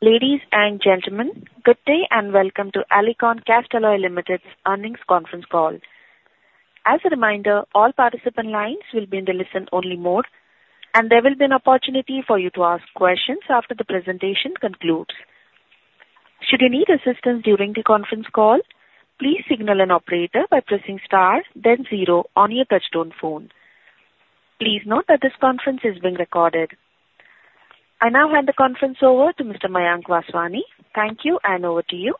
Ladies and gentlemen, good day, and welcome to Alicon Castalloy Limited's Earnings Conference Call. As a reminder, all participant lines will be in the listen-only mode, and there will be an opportunity for you to ask questions after the presentation concludes. Should you need assistance during the conference call, please signal an operator by pressing star, then zero on your touchtone phone. Please note that this conference is being recorded. I now hand the conference over to Mr. Mayank Vaswani. Thank you, and over to you.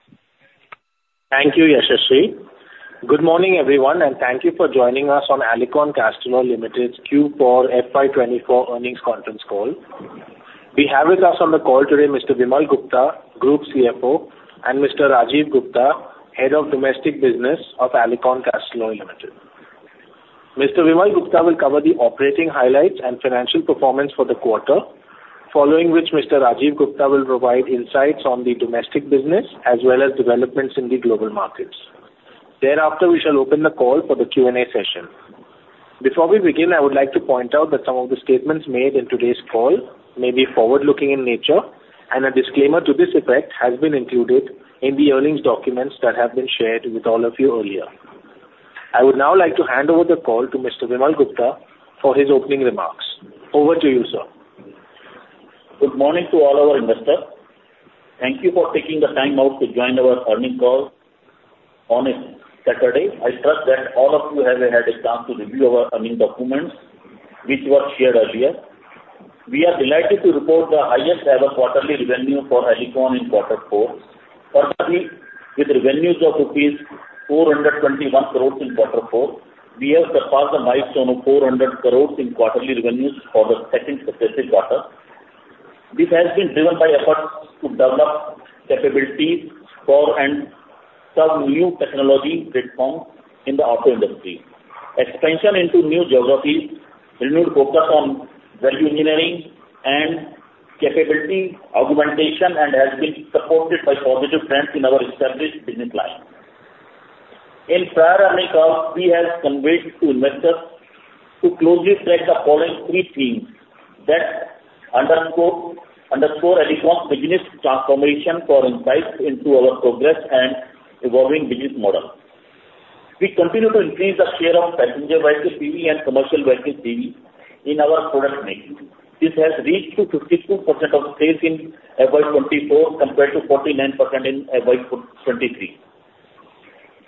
Thank you, Yasashwi. Good morning, everyone, and thank you for joining us on Alicon Castalloy Limited's Q4 FY24 Earnings Conference Call. We have with us on the call today Mr. Vimal Gupta, Group CFO, and Mr. Rajiv Gupta, Head of Domestic Business of Alicon Castalloy Limited. Mr. Vimal Gupta will cover the operating highlights and financial performance for the quarter, following which Mr. Rajiv Gupta will provide insights on the domestic business as well as developments in the global markets. Thereafter, we shall open the call for the Q&A session. Before we begin, I would like to point out that some of the statements made in today's call may be forward-looking in nature, and a disclaimer to this effect has been included in the earnings documents that have been shared with all of you earlier. I would now like to hand over the call to Mr. Vimal Gupta for his opening remarks. Over to you, sir. Good morning to all our investors. Thank you for taking the time out to join our earnings call on a Saturday. I trust that all of you have had a chance to review our earnings documents, which were shared earlier. We are delighted to report the highest ever quarterly revenue for Alicon in quarter four. Firstly, with revenues of rupees 421 crore in quarter four, we have surpassed the milestone of 400 crore in quarterly revenues for the second successive quarter. This has been driven by efforts to develop capabilities for and some new technology platforms in the auto industry. Expansion into new geographies, renewed focus on value engineering and capability augmentation, and has been supported by positive trends in our established business lines. In prior earnings calls, we have conveyed to investors to closely track the following three themes that underscore Alicon's business transformation for insights into our progress and evolving business model. We continue to increase the share of passenger vehicle PV and commercial vehicle CV in our product mix. This has reached 52% of sales in FY 2024 compared to 49% in FY 2023.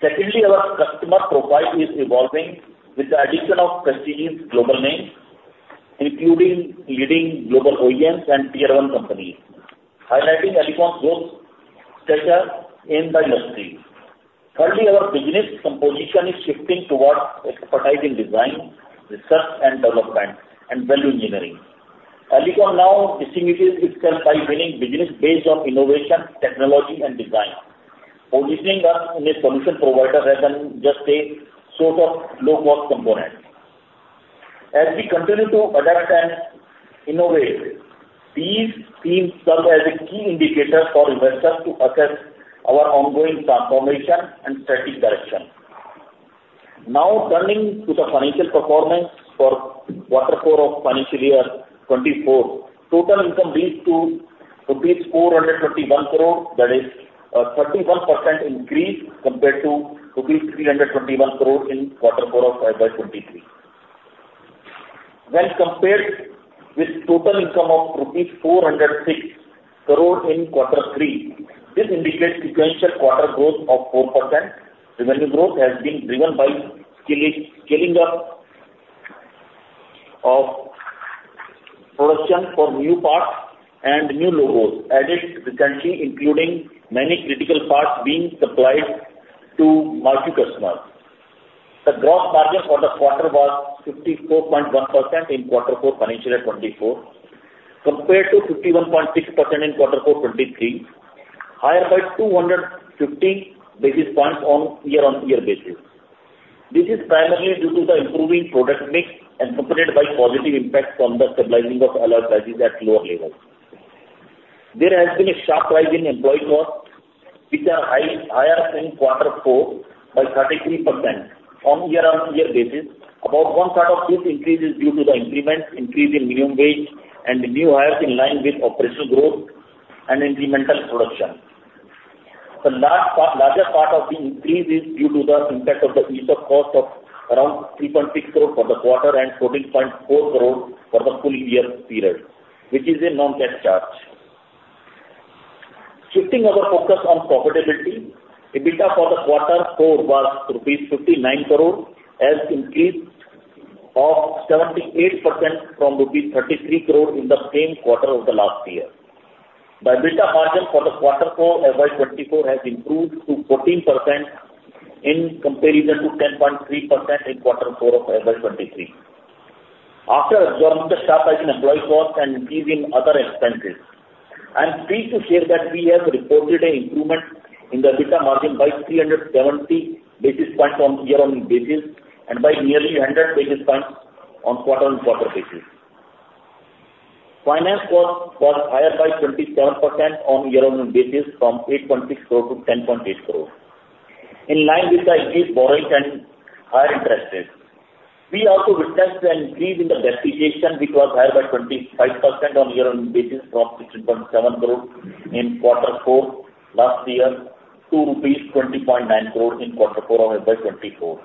Secondly, our customer profile is evolving with the addition of prestigious global names, including leading global OEMs and Tier One companies, highlighting Alicon's growth stature in the industry. Thirdly, our business composition is shifting towards expertise in design, research and development, and value engineering. Alicon now distinguishes itself by winning business based on innovation, technology, and design, positioning us as a solution provider rather than just a source of low-cost components. As we continue to adapt and innovate, these themes serve as a key indicator for investors to assess our ongoing transformation and strategic direction. Now, turning to the financial performance for Quarter 4 of financial year 2024, total income reached to rupees 421 crores, that is a 31% increase compared to rupees 321 crores in Quarter 4 of FY 2023. When compared with total income of 406 crores rupees in Quarter 3, this indicates sequential quarter growth of 4%. Revenue growth has been driven by scaling, scaling up of production for new parts and new logos added recently, including many critical parts being supplied to multi customers. The gross margin for the quarter was 54.1% in Quarter Four financial year 2024, compared to 51.6% in Quarter Four 2023, higher by 250 basis points on year-on-year basis. This is primarily due to the improving product mix and supported by positive impact from the stabilizing of alloy prices at lower levels. There has been a sharp rise in employee costs, which are higher in Quarter Four by 33% on year-on-year basis. About one part of this increase is due to the increment, increase in minimum wage and new hires in line with operational growth and incremental production. The last part, larger part of the increase is due to the impact of the ESOP cost of around 3.6 crores for the quarter and 14.4 crores for the full year period, which is a non-cash charge. Shifting our focus on profitability, EBITDA for the quarter four was 59 crore rupees, as increased of 78% from 33 crore rupees in the same quarter of the last year. The EBITDA margin for the quarter four FY 2024 has improved to 14% in comparison to 10.3% in quarter four of FY 2023. After absorbing the sharp rise in employee cost and increase in other expenses, I'm pleased to share that we have reported an improvement in the EBITDA margin by 370 basis points on year-on-year basis and by nearly 100 basis points on quarter-on-quarter basis. Finance cost was higher by 27% on year-on-year basis from 8.6 crore to 10.8 crore, in line with the increased borrowing and higher interest rates. We also witnessed an increase in the depreciation, which was higher by 25% on year-on-year basis, from 6.7 crore in Quarter Four last year to rupees 20.9 crore in Quarter Four of FY 2024.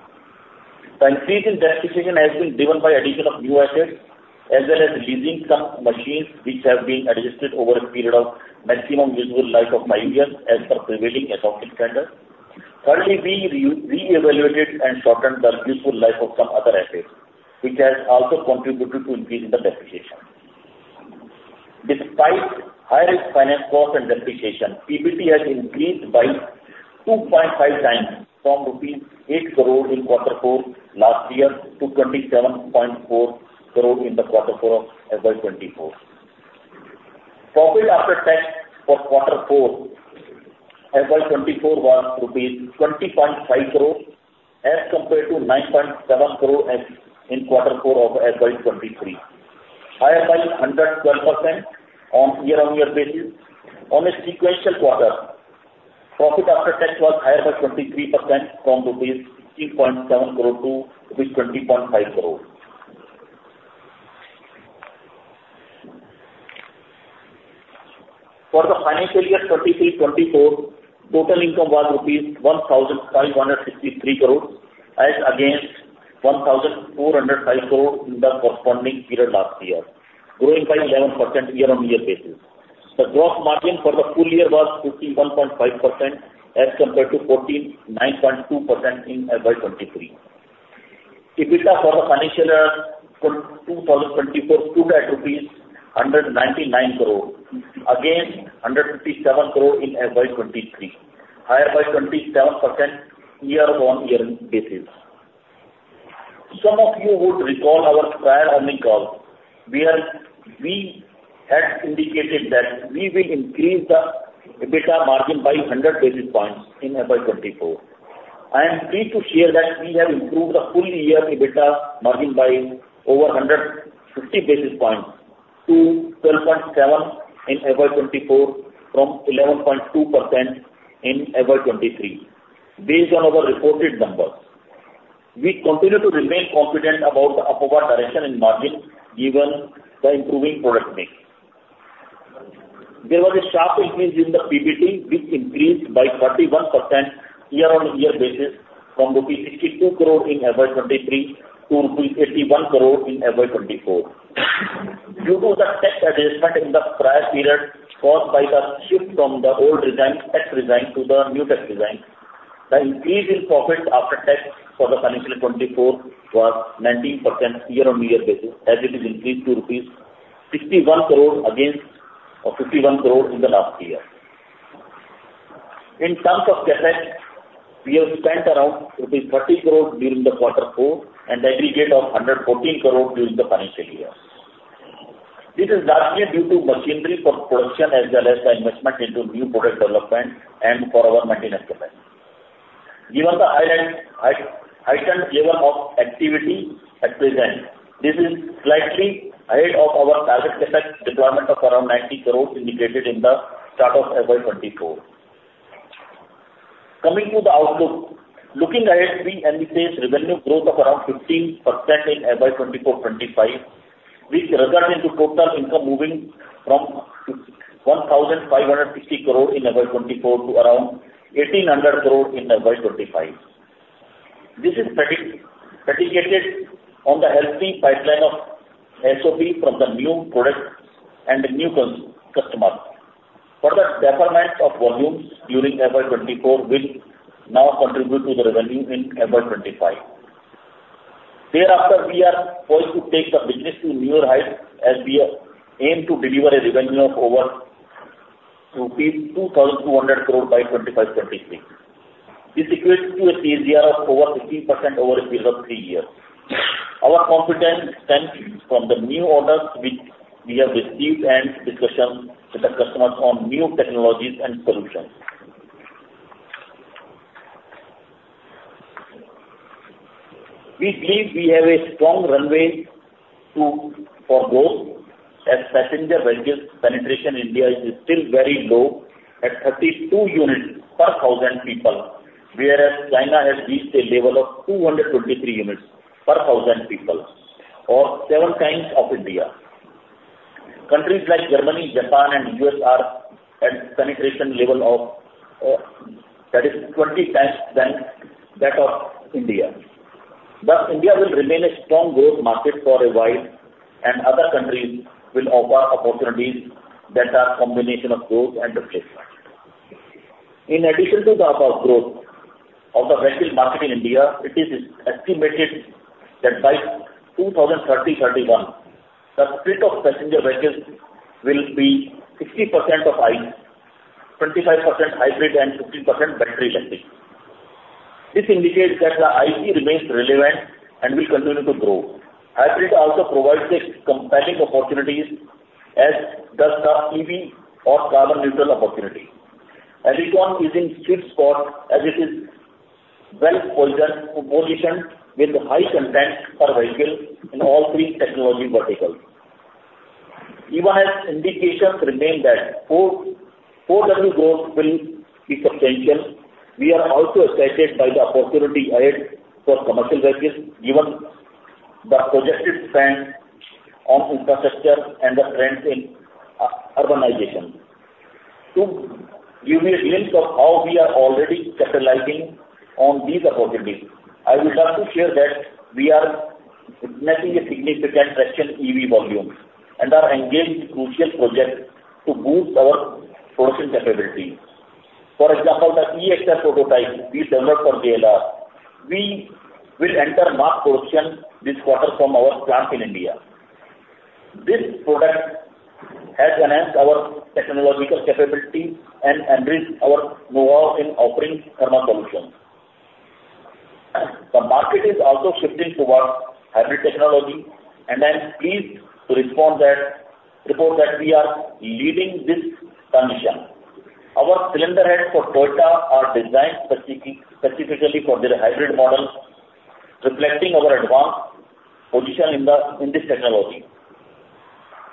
The increase in depreciation has been driven by addition of new assets, as well as leasing some machines which have been adjusted over a period of maximum usable life of years as per prevailing accounting standard. Thirdly, we re-evaluated and shortened the useful life of some other assets, which has also contributed to increase in the depreciation. Despite higher finance cost and depreciation, PBT has increased by 2.5x from rupees 8 crore in Quarter Four last year, to 27.4 crore in the Quarter Four of FY 2024. Profit after tax for Quarter 4, FY 2024, was rupees 20.5 crore, as compared to 9.7 crore as in Quarter 4 of FY 2023, higher by 112% on year-on-year basis. On a sequential quarter, profit after tax was higher by 23% from rupees 16.7 crore to rupees 20.5 crore. For the financial year 2023-2024, total income was rupees 1,563 crore, as against 1,405 crore in the corresponding period last year, growing by 11% year-on-year basis. The gross margin for the full year was 51.5% as compared to 49.2% in FY 2023. EBITDA for the financial year 2024 stood at INR 199 crore, against INR 157 crore in FY 2023, higher by 27% year-on-year basis. Some of you would recall our prior earnings call, where we had indicated that we will increase the EBITDA margin by 100 basis points in FY 2024. I am pleased to share that we have improved the full year EBITDA margin by over 150 basis points to 12.7 in FY 2024, from 11.2% in FY 2023, based on our reported numbers. We continue to remain confident about the upward direction in margin given the improving product mix. There was a sharp increase in the PBT, which increased by 31% year-on-year basis, from rupees 62 crore in FY 2023 to rupees 81 crore in FY 2024. Due to the tax adjustment in the prior period, caused by the shift from the old regime, tax regime, to the new tax regime, the increase in profit after tax for the financial 2024 was 19% year-on-year basis, as it is increased to rupees 61 crore against or 51 crore in the last year. In terms of CapEx, we have spent around rupees 30 crore during the Quarter Four, and aggregate of 114 crore during the financial year. This is largely due to machinery for production, as well as the investment into new product development and for our maintenance CapEx. Given the heightened level of activity at present, this is slightly ahead of our target CapEx deployment of around 90 crores indicated in the start of FY 2024. Coming to the outlook. Looking ahead, we anticipate revenue growth of around 15% in FY 2024-2025, which results into total income moving from 1,560 crore in FY 2024 to around 1,800 crore in FY 2025. This is predicated on the healthy pipeline of SOP from the new products and the new customers. For the deferment of volumes during FY 2024, which now contribute to the revenue in FY 2025. Thereafter, we are poised to take the business to newer heights, as we aim to deliver a revenue of over rupees 2,200 crore by 2025-2026. This equates to a CAGR of over 15% over a period of three years. Our confidence stems from the new orders which we have received and discussions with the customers on new technologies and solutions. We believe we have a strong runway to, for growth, as passenger vehicles penetration India is still very low, at 32 units per thousand people, whereas China has reached a level of 223 units per thousand people, or 7x of India. Countries like Germany, Japan, and U.S. are at penetration level of, that is 20x than that of India. Thus, India will remain a strong growth market for a while, and other countries will offer opportunities that are combination of growth and replacement. In addition to the above growth of the vehicle market in India, it is estimated that by 2030, 2031, the fleet of passenger vehicles will be 60% of ICE, 25% hybrid, and 15% battery electric. This indicates that the ICE remains relevant and will continue to grow. Hybrid also provides a compelling opportunities, as does the EV or carbon neutral opportunity. Alicon is in sweet spot, as it is well positioned, positioned with high content per vehicle in all three technology verticals.... Even as indications remain that 4W growth will be substantial, we are also excited by the opportunity ahead for commercial vehicles, given the projected spend on infrastructure and the trend in, urbanization. To give you a glimpse of how we are already capitalizing on these opportunities, I would like to share that we are witnessing a significant traction EV volumes and are engaged in crucial projects to boost our production capability. For example, the E-Axle prototype we developed for JLR, we will enter mass production this quarter from our plant in India. This product has enhanced our technological capability and enriched our know-how in offering thermal solutions. The market is also shifting towards hybrid technology, and I'm pleased to report that we are leading this transition. Our cylinder heads for Toyota are designed specifically for their hybrid models, reflecting our advanced position in the, in this technology.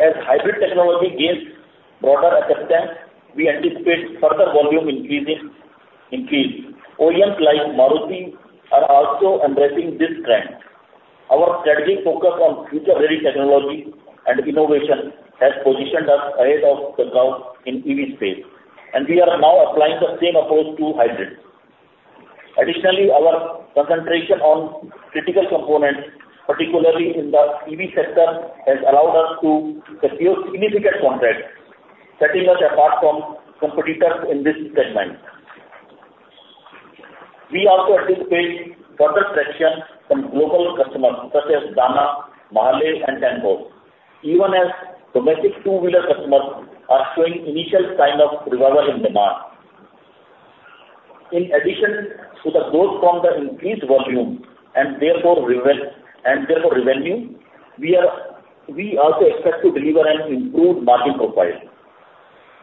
As hybrid technology gains broader acceptance, we anticipate further volume increase. OEMs like Maruti are also embracing this trend. Our strategic focus on future-ready technology and innovation has positioned us ahead of the curve in EV space, and we are now applying the same approach to hybrids. Additionally, our concentration on critical components, particularly in the EV sector, has allowed us to secure significant contracts, setting us apart from competitors in this segment. We also anticipate further traction from global customers such as Dana, Mahle, and Tenneco, even as domestic two-wheeler customers are showing initial sign of revival in demand. In addition to the growth from the increased volume and therefore revenue, we are, we also expect to deliver an improved margin profile.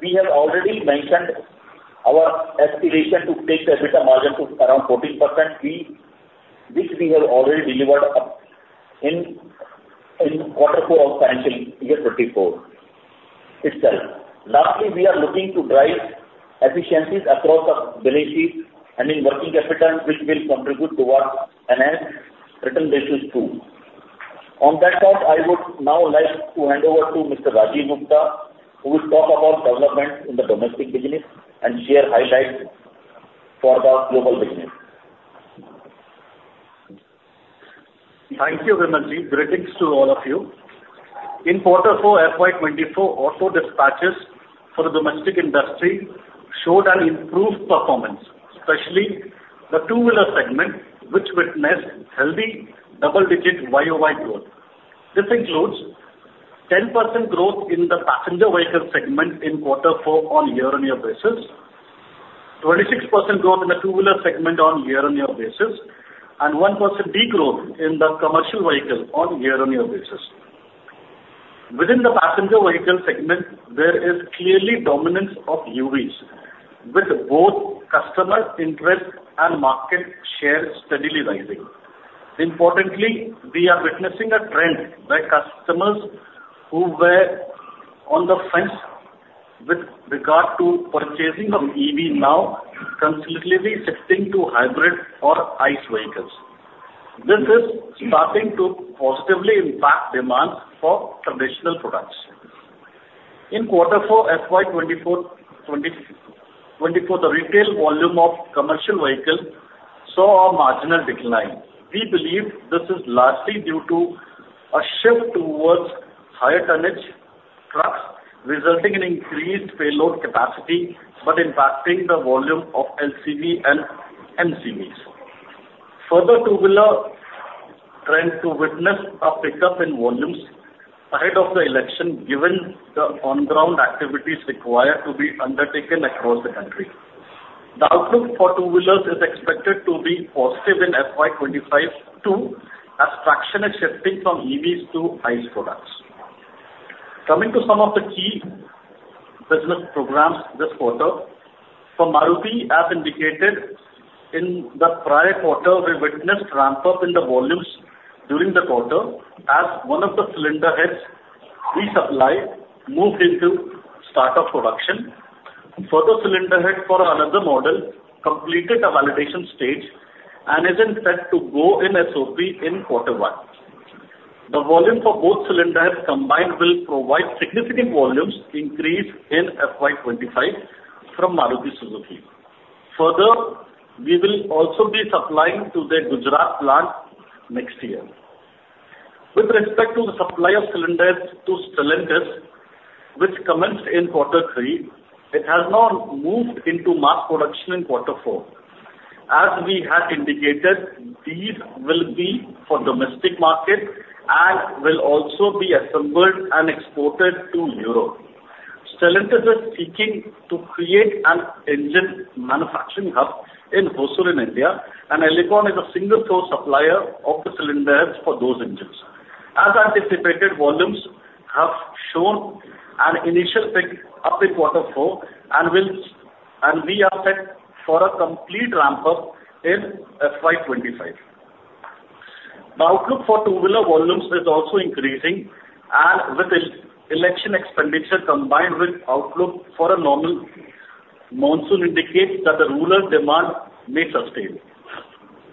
We have already mentioned our aspiration to take EBITDA margin to around 14%, we, which we have already delivered up in quarter four of financial year 2024 itself. Lastly, we are looking to drive efficiencies across our balance sheet and in working capital, which will contribute towards enhanced return ratios, too. On that note, I would now like to hand over to Mr. Rajiv Gupta, who will talk about developments in the domestic business and share highlights for the global business. Thank you, Vimal ji. Greetings to all of you. In quarter four, FY 2024, auto dispatches for the domestic industry showed an improved performance, especially the two-wheeler segment, which witnessed healthy double-digit YoY growth. This includes 10% growth in the passenger vehicle segment in quarter four on year-on-year basis, 26% growth in the two-wheeler segment on year-on-year basis, and 1% decline in the commercial vehicle on year-on-year basis. Within the passenger vehicle segment, there is clearly dominance of EVs, with both customer interest and market share steadily rising. Importantly, we are witnessing a trend where customers who were on the fence with regard to purchasing of EV now consistently shifting to hybrid or ICE vehicles. This is starting to positively impact demand for traditional products. In quarter four, FY 2024, 2024, the retail volume of commercial vehicles saw a marginal decline. We believe this is largely due to a shift towards higher tonnage trucks, resulting in increased payload capacity, but impacting the volume of LCV and MCVs. Further, two-wheeler trend to witness a pickup in volumes ahead of the election, given the on-ground activities required to be undertaken across the country. The outlook for two-wheelers is expected to be positive in FY 2025, too, as traction is shifting from EVs to ICE products. Coming to some of the key business programs this quarter, for Maruti, as indicated in the prior quarter, we witnessed ramp-up in the volumes during the quarter as one of the cylinder heads we supplied moved into start of production. Further cylinder head for another model completed a validation stage and is set to go in SOP in quarter 1. The volume for both cylinder heads combined will provide significant volumes increase in FY 2025 from Maruti Suzuki. Further, we will also be supplying to their Gujarat plant next year. With respect to the supply of cylinder heads to Stellantis, which commenced in quarter three, it has now moved into mass production in quarter four. As we had indicated, these will be for domestic market and will also be assembled and exported to Europe. Stellantis is seeking to create an engine manufacturing hub in Hosur, in India, and Alicon is a single source supplier of the cylinder heads for those engines. As anticipated, volumes have shown an initial pick up in quarter four and we are set for a complete ramp-up in FY 2025. The outlook for two-wheeler volumes is also increasing, and with the election expenditure combined with outlook for a normal monsoon, indicates that the rural demand may sustain.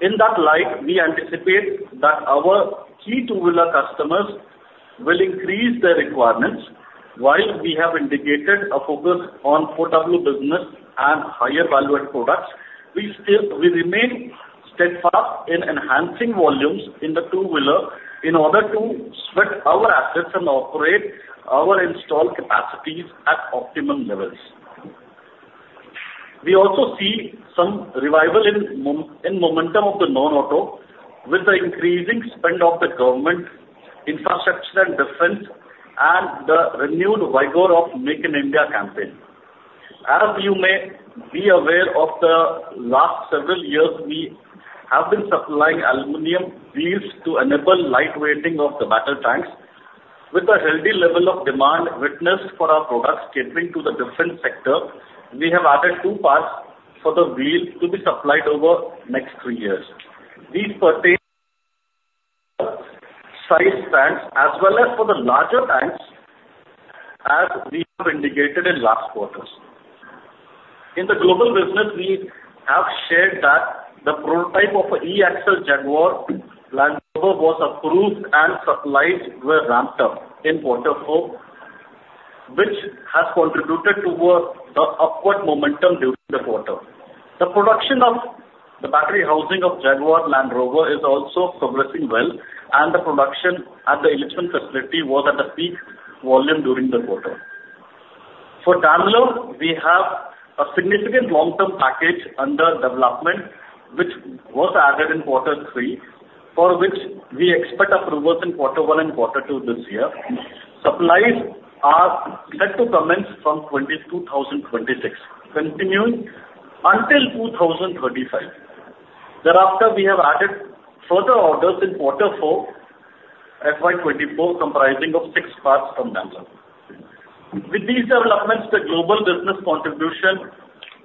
In that light, we anticipate that our key two-wheeler customers will increase their requirements. While we have indicated a focus on four-wheeler business and higher value-add products, we still remain steadfast in enhancing volumes in the two-wheeler in order to sweat our assets and operate our installed capacities at optimum levels. We also see some revival in month-over-month momentum of the non-auto, with the increasing spend of the government, infrastructure and defense, and the renewed vigor of Make in India campaign. As you may be aware, over the last several years, we have been supplying aluminum wheels to enable lightweighting of the battle tanks. With a healthy level of demand witnessed for our products catering to the defense sector, we have added two parts for the wheel to be supplied over the next three years. These pertain T-72 size tanks as well as for the larger tanks, as we have indicated in last quarters. In the global business, we have shared that the prototype of a E-Axle Jaguar Land Rover was approved and supplies were ramped up in quarter four, which has contributed towards the upward momentum during the quarter. The production of the battery housing of Jaguar Land Rover is also progressing well, and the production at the Illichmann facilitywas at a peak volume during the quarter. For Daimler, we have a significant long-term package under development, which was added in quarter three, for which we expect approvals in quarter one and quarter two this year. Supplies are set to commence from 2026, continuing until 2035. Thereafter, we have added further orders in quarter four, FY 2024, comprising of six parts from Daimler. With these developments, the global business contribution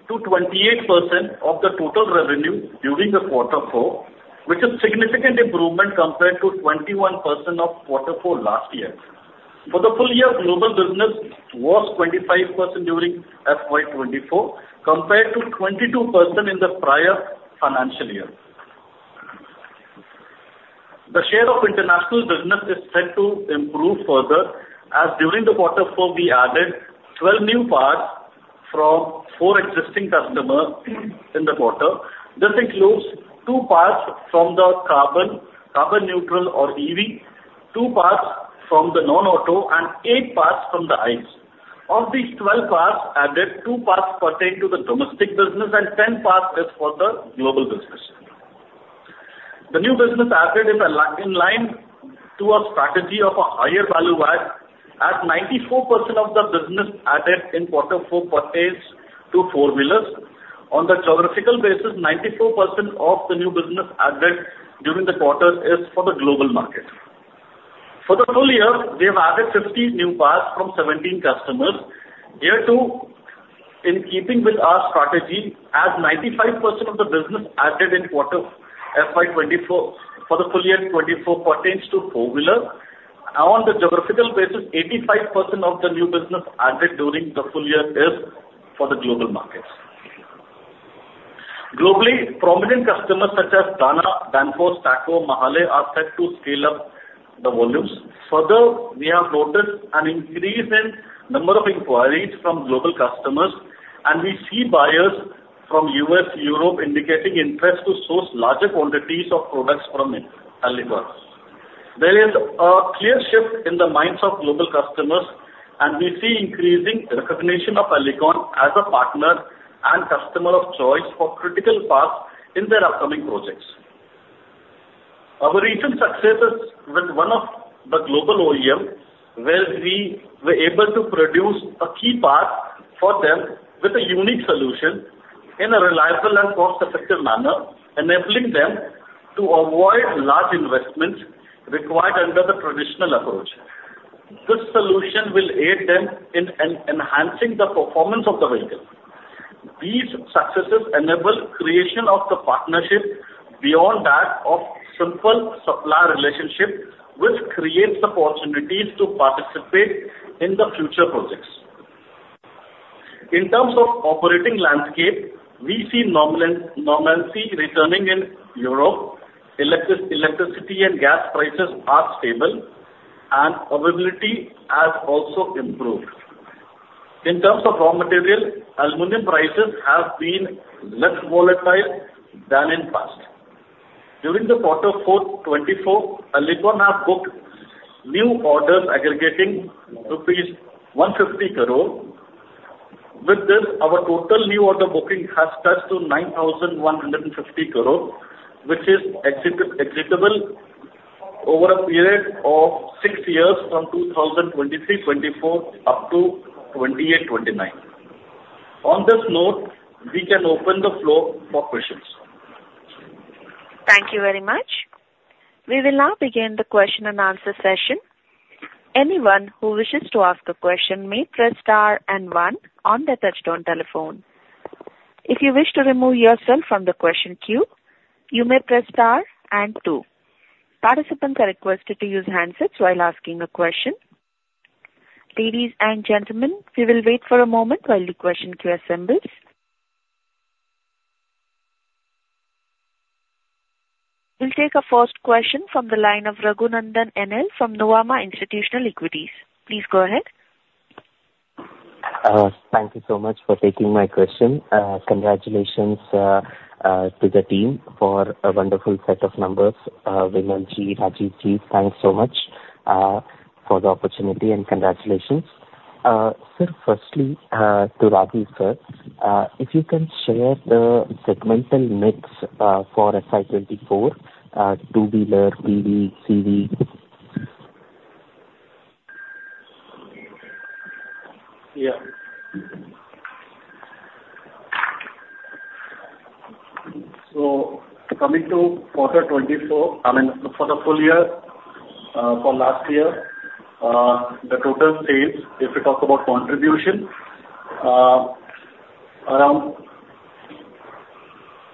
to 28% of the total revenue during the quarter four, which is significant improvement compared to 21% of quarter four last year. For the full year, global business was 25% during FY 2024, compared to 22% in the prior financial year. The share of international business is set to improve further, as during the quarter four, we added 12 new parts from four existing customers in the quarter. This includes two parts from the carbon, carbon neutral or EV, two parts from the non-auto, and eight parts from the ICE. Of these twelve parts added, two parts pertain to the domestic business and ten parts is for the global business. The new business added is in line to our strategy of a higher value add, as 94% of the business added in quarter four pertains to four-wheelers. On the geographical basis, 94% of the new business added during the quarter is for the global market. For the full year, we have added 50 new parts from 17 customers. Here, too, in keeping with our strategy, 95% of the business added in quarter FY 2024, for the full year 2024, pertains to four-wheeler. On the geographical basis, 85% of the new business added during the full year is for the global markets. Globally, prominent customers such as Dana, Danfoss, Taco, MAHLE, are set to scale up the volumes. Further, we have noticed an increase in number of inquiries from global customers, and we see buyers from U.S., Europe, indicating interest to source larger quantities of products from Alicon. There is a clear shift in the minds of global customers, and we see increasing recognition of Alicon as a partner and customer of choice for critical parts in their upcoming projects. Our recent successes with one of the global OEM, where we were able to produce a key part for them with a unique solution in a reliable and cost-effective manner, enabling them to avoid large investments required under the traditional approach. This solution will aid them in enhancing the performance of the vehicle. These successes enable creation of the partnership beyond that of simple supplier relationship, which creates the opportunities to participate in the future projects. In terms of operating landscape, we see normalcy returning in Europe. Electricity and gas prices are stable, and availability has also improved. In terms of raw material, aluminum prices have been less volatile than in past. During quarter four 2024, Alicon have booked new orders aggregating rupees 150 crore. With this, our total new order booking has touched to 9,150 crore, which is executable over a period of six years, from 2023-2024 up to 2028-2029. On this note, we can open the floor for questions. Thank you very much. We will now begin the question and answer session. Anyone who wishes to ask a question may press star and one on their touchtone telephone.... If you wish to remove yourself from the question queue, you may press star and two. Participants are requested to use handsets while asking a question. Ladies and gentlemen, we will wait for a moment while the question queue assembles. We'll take our first question from the line of Raghunandan NL, from Nuvama Institutional Equities. Please go ahead. Thank you so much for taking my question. Congratulations to the team for a wonderful set of numbers. Vimal Ji, Rajiv Ji, thanks so much for the opportunity, and congratulations. Sir, firstly, to Rajiv, sir, if you can share the segmental mix for FY 2024, two-wheeler, PV, CV. Yeah. So coming to quarter 2024, I mean, for the full year, for last year, the total sales, if you talk about contribution, around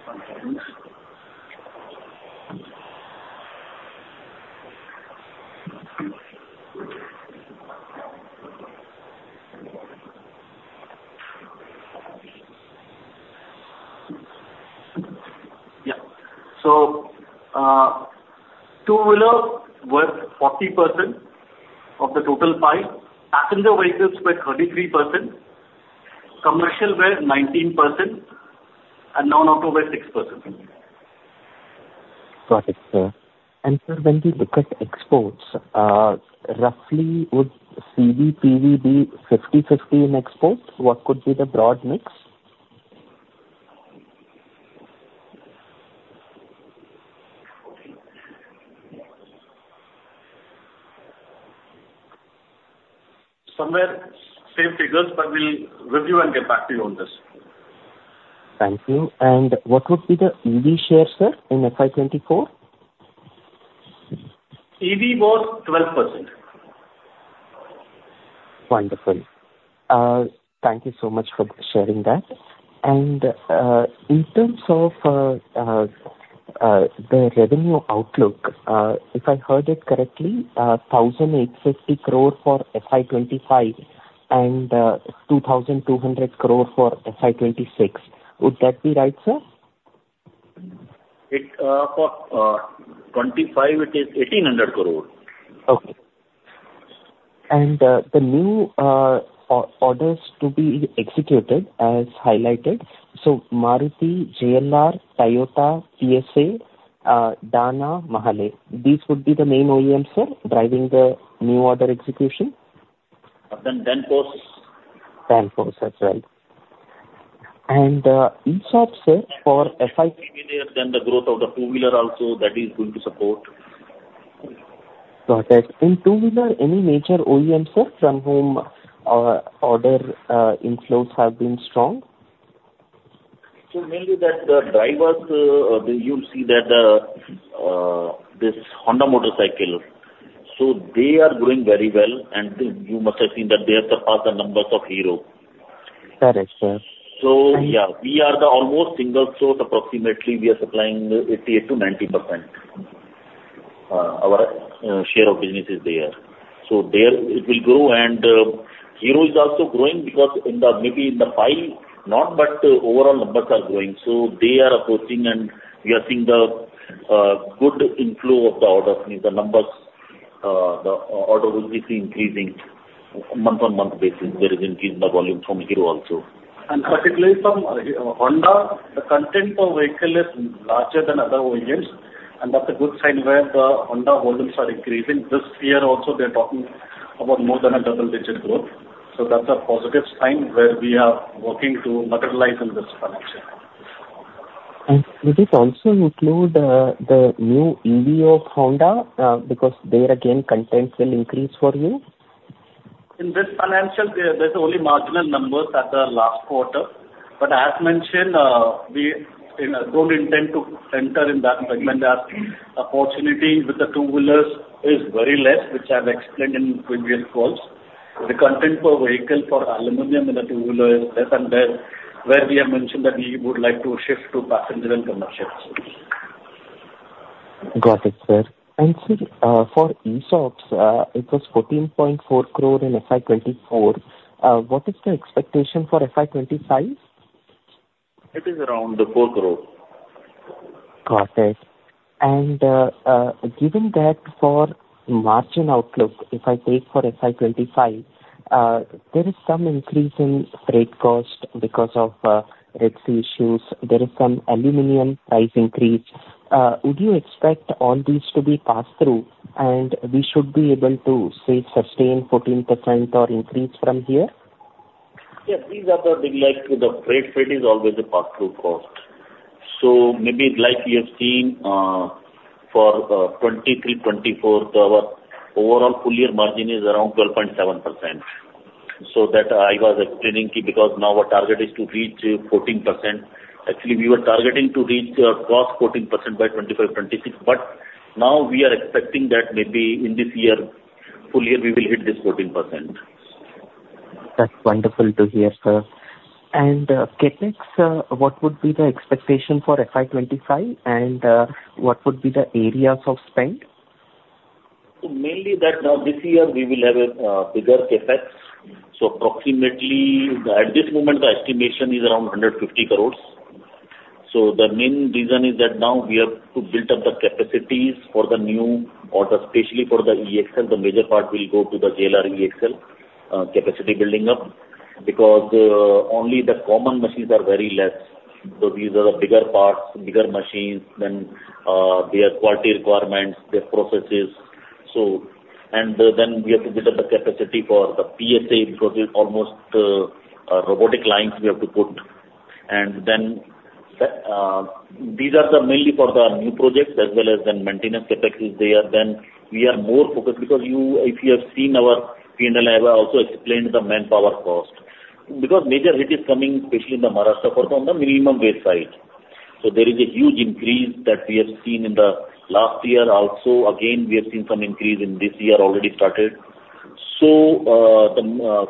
one second. Yeah. So, two-wheeler was 40% of the total pie, passenger vehicles were 33%, commercial were 19%, and non-auto were 6%. Got it, sir. And sir, when we look at exports, roughly would CV, PV be 50/50 in exports? What could be the broad mix? Somewhere, same figures, but we'll review and get back to you on this. Thank you. What would be the EV share, sir, in FY 2024? EV was 12%. Wonderful. Thank you so much for sharing that. And, in terms of, the revenue outlook, if I heard it correctly, 1,850 crore for FY 2025 and 2,200 crore for FY 2026. Would that be right, sir? It for 2025, it is INR 1,800 crore. Okay. And, the new orders to be executed as highlighted, so Maruti, JLR, Toyota, TSA, Dana, MAHLE, these would be the main OEM, sir, driving the new order execution? Then Danfoss. Danfoss as well. In short, sir, for FY- The growth of the Two-Wheeler also, that is going to support. Got it. In two-wheeler, any major OEM, sir, from whom order inflows have been strong? Mainly that the drivers, you'll see that the this Honda motorcycle, so they are doing very well, and you must have seen that they have surpassed the numbers of Hero. Got it, sir. So, yeah, we are the almost single source. Approximately, we are supplying 88%-90%. Our share of business is there. So there it will grow, and, Hero is also growing because in the, maybe in the pie, not, but overall numbers are growing. So they are approaching, and we are seeing the good inflow of the orders, means the numbers, the order will be increasing month-on-month basis. There is increase in the volume from Hero also. Particularly from Honda, the content per vehicle is larger than other OEMs, and that's a good sign where the Honda volumes are increasing. This year also, they're talking about more than a double-digit growth, so that's a positive sign where we are working to materialize in this financial year. Would this also include the new EV of Honda? Because there again, content will increase for you. In this financial year, that's only marginal numbers at the last quarter, but as mentioned, we, you know, don't intend to enter in that segment. Opportunity with the two-wheelers is very less, which I've explained in previous calls. The content per vehicle for aluminum in a two-wheeler is less, and that, where we have mentioned that we would like to shift to passenger and commercial. Got it, sir. Sir, for ESOPs, it was 14.4 crore in FY 2024. What is the expectation for FY 2025? It is around 4 crore. Got it. And, given that for margin outlook, if I take for FY 2025, there is some increase in freight cost because of, Red Sea issues. There is some aluminum price increase. Would you expect all these to be passed through, and we should be able to, say, sustain 14% or increase from here? Yes, these are like the freight. Freight is always a pass-through cost. So maybe like you have seen, for 2023-2024, our overall full year margin is around 12.7%. So that I was explaining, because now our target is to reach 14%. Actually, we were targeting to reach cross 14% by 2025-2026, but now we are expecting that maybe in this year full year, we will hit this 14%. That's wonderful to hear, sir. CapEx, what would be the expectation for FY 2025, and what would be the areas of spend? So mainly that now this year we will have a bigger CapEx. So approximately, at this moment, the estimation is around 150 crores. So the main reason is that now we have to build up the capacities for the new order, especially for the E-Axle. The major part will go to the JLR E-Axle capacity building up, because only the common machines are very less. So these are the bigger parts, bigger machines, then their quality requirements, their processes. So, and then we have to build up the capacity for the PSA, because it's almost robotic lines we have to put. And then, these are the mainly for the new projects as well as then maintenance CapEx is there. Then we are more focused because you—if you have seen our P&L, I have also explained the manpower cost. Because major hit is coming, especially in the Maharashtra part, on the minimum wage side. So there is a huge increase that we have seen in the last year also. Again, we have seen some increase in this year already started. So, the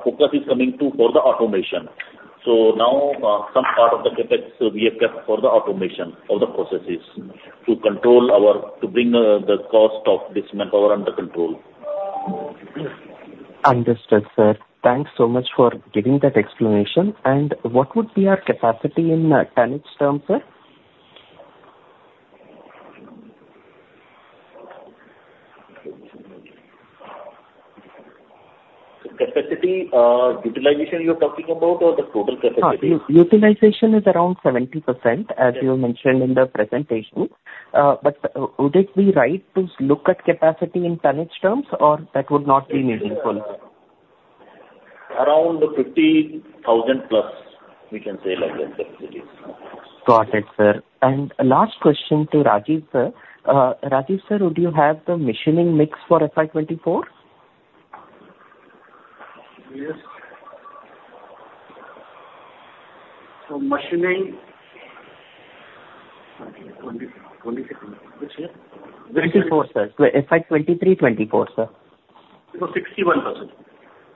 focus is coming to for the automation. So now, some part of the CapEx we have kept for the automation of the processes to control our, to bring, the cost of this manpower under control. Understood, sir. Thanks so much for giving that explanation. And what would be our capacity in tonnage terms, sir? Capacity, utilization you're talking about or the total capacity? Utilization is around 70%, as you mentioned in the presentation. But would it be right to look at capacity in tonnage terms, or that would not be meaningful? Around 50,000+, we can say like that capacity. Got it, sir. Last question to Rajiv, sir. Rajiv, sir, would you have the machining mix for FY 24? Yes. So machining, 2020, 2023, which year? 24, sir. FY 2023, 2024, sir. 61%.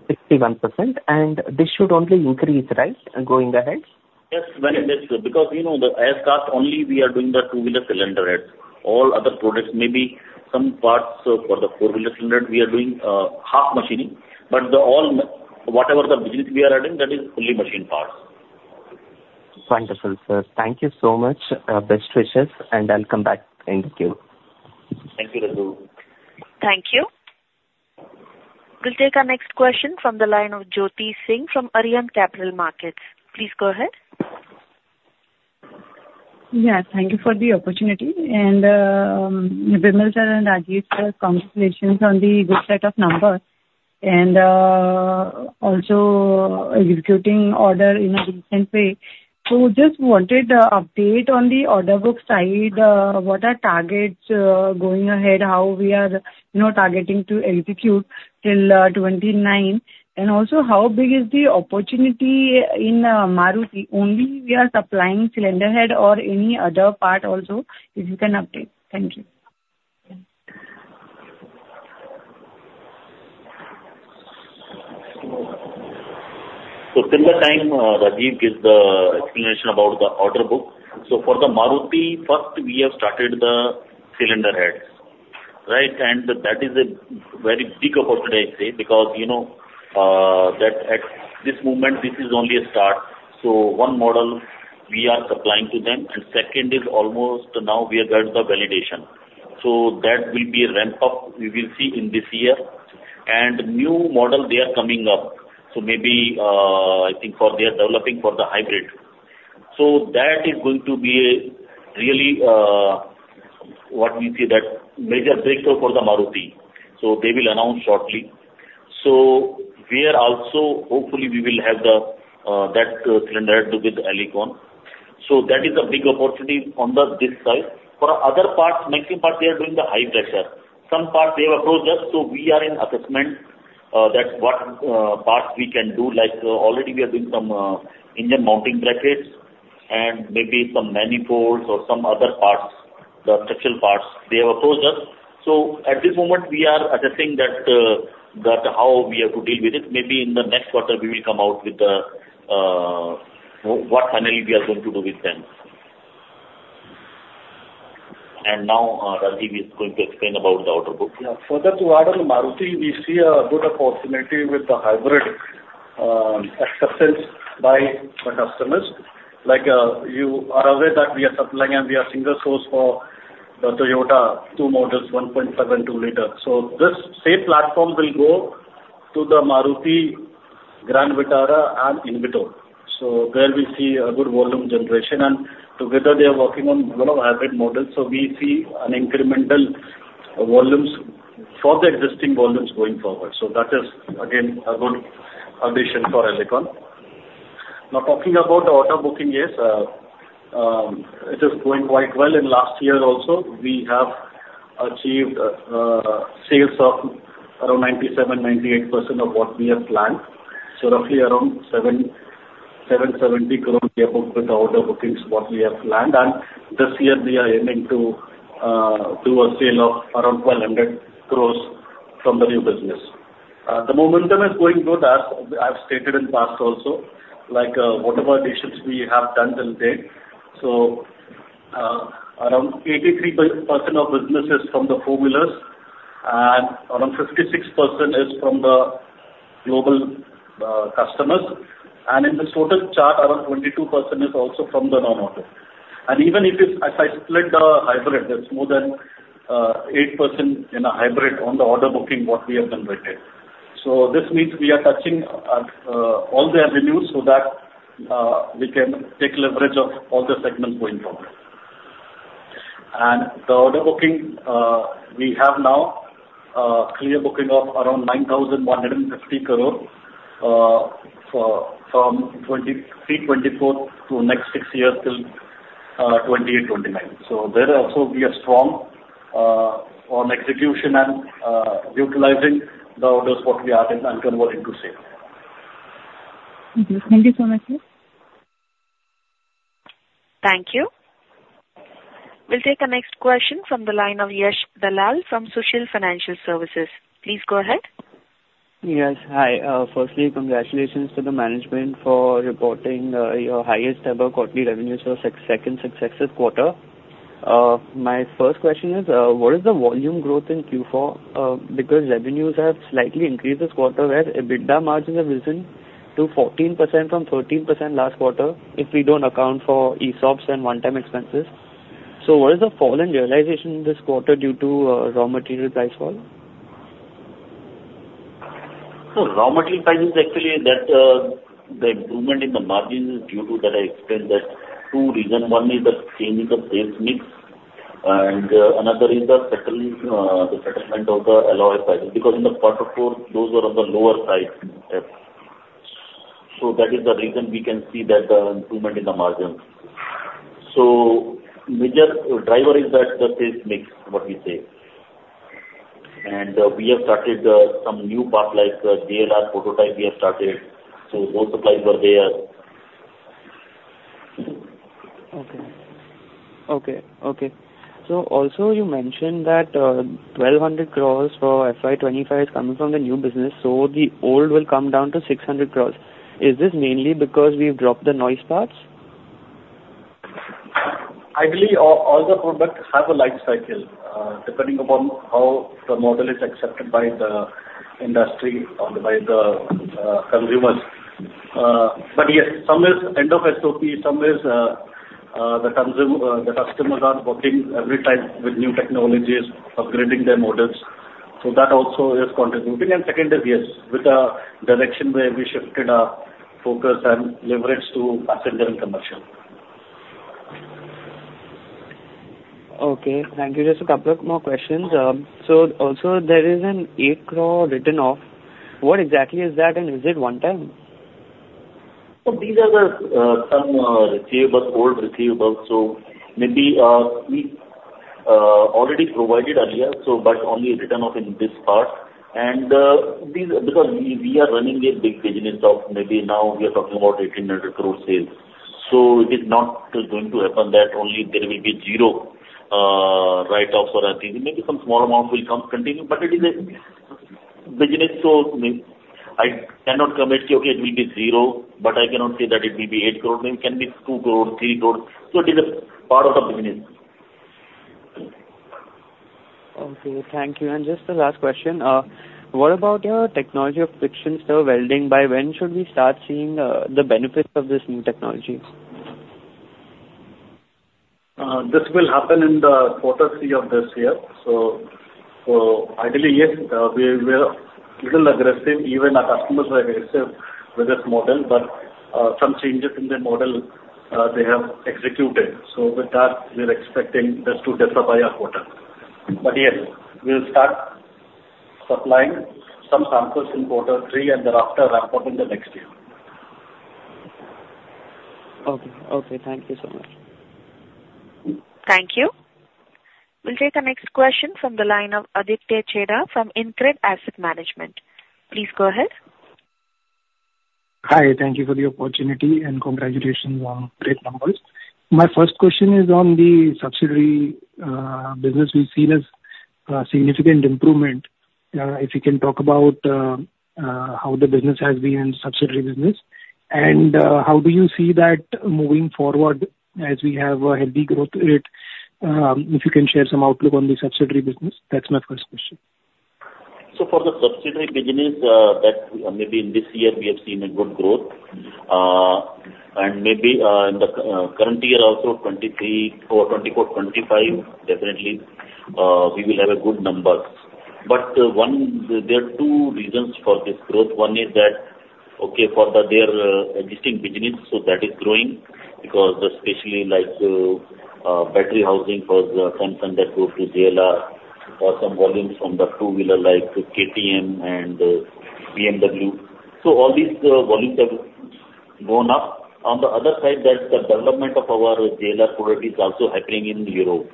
61%. This should only increase, right, going ahead? Yes, very much, because, you know, the as cast only we are doing the two-wheeler cylinder heads. All other products, maybe some parts for the four-wheeler cylinder, we are doing half machining, but the all, whatever the business we are adding, that is only machine parts. Wonderful, sir. Thank you so much. Best wishes, and I'll come back and thank you. Thank you, Raghu. Thank you. We'll take our next question from the line of Jyoti Singh from Arihant Capital Markets. Please go ahead. Yeah, thank you for the opportunity. And, Vimal sir and Rajiv sir, congratulations on the good set of numbers and, also executing order in a different way. So just wanted an update on the order book side. What are targets, going ahead? How we are, you know, targeting to execute till 2029. And also, how big is the opportunity in Maruti? Only we are supplying cylinder head or any other part also, if you can update. Thank you. So similar time, Rajiv gives the explanation about the order book. So for the Maruti, first, we have started the cylinder heads, right? And that is a very big opportunity, I say, because, you know, that at this moment, this is only a start. So one model we are supplying to them, and second is almost now we have done the validation. So that will be a ramp-up, we will see in this year. And new model, they are coming up. So maybe, I think for they are developing for the hybrid. So that is going to be a really, what we say, that major breakthrough for the Maruti. So they will announce shortly. So we are also, hopefully, we will have the, that cylinder head with Alicon. So that is a big opportunity on the this side. For other parts, maximum part, they are doing the high pressure. Some parts they have approached us, so we are in assessment, that what parts we can do. Like, already we are doing some engine mounting brackets and maybe some manifolds or some other parts, the structural parts they have approached us. So at this moment, we are assessing that how we have to deal with it. Maybe in the next quarter, we will come out with the what finally we are going to do with them. And now, Rajiv is going to explain about the order book. Yeah. Further to add on the Maruti, we see a good opportunity with the hybrid acceptance by the customers. Like you are aware that we are supplying and we are single source for the Toyota two models, 1.7, 2 liter. So this same platform will go to the Maruti Grand Vitara and Innova. So there we see a good volume generation, and together they are working on lot of hybrid models. So we see an incremental volumes for the existing volumes going forward. So that is again, a good addition for Alicon. Now, talking about the order booking, yes, it is going quite well. In last year also, we have achieved sales of around 97, 98% of what we have planned. So roughly around seven-... 770 crore we are booked with the order bookings what we have planned, and this year, we are aiming to do a sale of around 1,200 crore from the new business. The momentum is going good, as, as I've stated in the past also, like, whatever additions we have done till date. So, around 83% of business is from the four-wheelers, and around 56% is from the global customers. And in this total chart, around 22% is also from the non-auto. And even if it's. If I split the hybrid, that's more than 8% in a hybrid on the order booking, what we have done by date. So this means we are touching all the avenues so that we can take leverage of all the segments going forward. And the order booking, we have now clear booking of around 9,150 crore for from 2023, 2024 to next six years till 2028, 2029. So there also we are strong on execution and utilizing the orders what we have and, and converting to sale. Thank you. Thank you so much, sir. Thank you. We'll take the next question from the line of Yash Dalal from Sushil Financial Services. Please go ahead. Yes. Hi. Firstly, congratulations to the management for reporting your highest ever quarterly revenues for second successive quarter. My first question is, what is the volume growth in Q4? Because revenues have slightly increased this quarter, where EBITDA margins have risen to 14% from 13% last quarter, if we don't account for ESOPs and one-time expenses. So what is the fall in realization this quarter due to, raw material price fall? So raw material price is actually that, the improvement in the margins is due to, that I explained that two reason. One is the change of base mix, and, another is the settlement of the alloy price, because in the quarter four, those were on the lower side. So that is the reason we can see that, improvement in the margins. So major driver is that, the base mix, what we say. And, we have started, some new parts, like, JLR prototype we have started, so those supplies were there. Okay. Okay, okay. So also you mentioned that, 1,200 crore for FY 2025 is coming from the new business, so the old will come down to 600 crore. Is this mainly because we've dropped the noise parts? Ideally, all the products have a life cycle, depending upon how the model is accepted by the industry or by the consumers. But yes, some is end of SOP, some is, the customers are booking every time with new technologies, upgrading their models. So that also is contributing. Second is, yes, with the direction where we shifted our focus and leverage to passenger and commercial. Okay, thank you. Just a couple of more questions. So also there is an 8 crore written off. What exactly is that, and is it one time? So these are the some receivables, old receivables, so maybe we already provided earlier, so but only written off in this part. And these... Because we, we are running a big business of maybe now we are talking about 1,800 crore sales. So it is not going to happen that only there will be zero write-off or anything. Maybe some small amount will come continue, but it is a business, so, I mean, I cannot commit, "Okay, it will be zero," but I cannot say that it will be 8 crore. Maybe it can be 2 crore, 3 crore, so it is a part of the business. Okay, thank you. And just the last question, what about your technology of Friction Stir Welding? By when should we start seeing the benefits of this new technology? This will happen in the quarter three of this year. So ideally, yes, we are a little aggressive, even our customers are aggressive with this model, but some changes in the model, they have executed. So with that, we are expecting this to justify our quarter. But yes, we'll start supplying some samples in quarter three and thereafter ramp up in the next year. Okay. Okay, thank you so much. Thank you. We'll take the next question from the line of Aditya Chheda from InCred Asset Management. Please go ahead. Hi, thank you for the opportunity, and congratulations on great numbers. My first question is on the subsidiary business we've seen as a significant improvement. If you can talk about how the business has been in subsidiary business, and how do you see that moving forward as we have a healthy growth rate? If you can share some outlook on the subsidiary business, that's my first question. So for the subsidiary business, that maybe in this year we have seen a good growth, and maybe, in the, current year, also, 2023 or 2024, 2025, definitely, we will have a good numbers. But, one... There are two reasons for this growth. One is that, okay, for the, their, existing business, so that is growing, because especially like, battery housing for the Samsung, that go to JLR or some volumes from the two-wheeler, like KTM and BMW. So all these, volumes have gone up. On the other side, that's the development of our JLR product is also happening in Europe....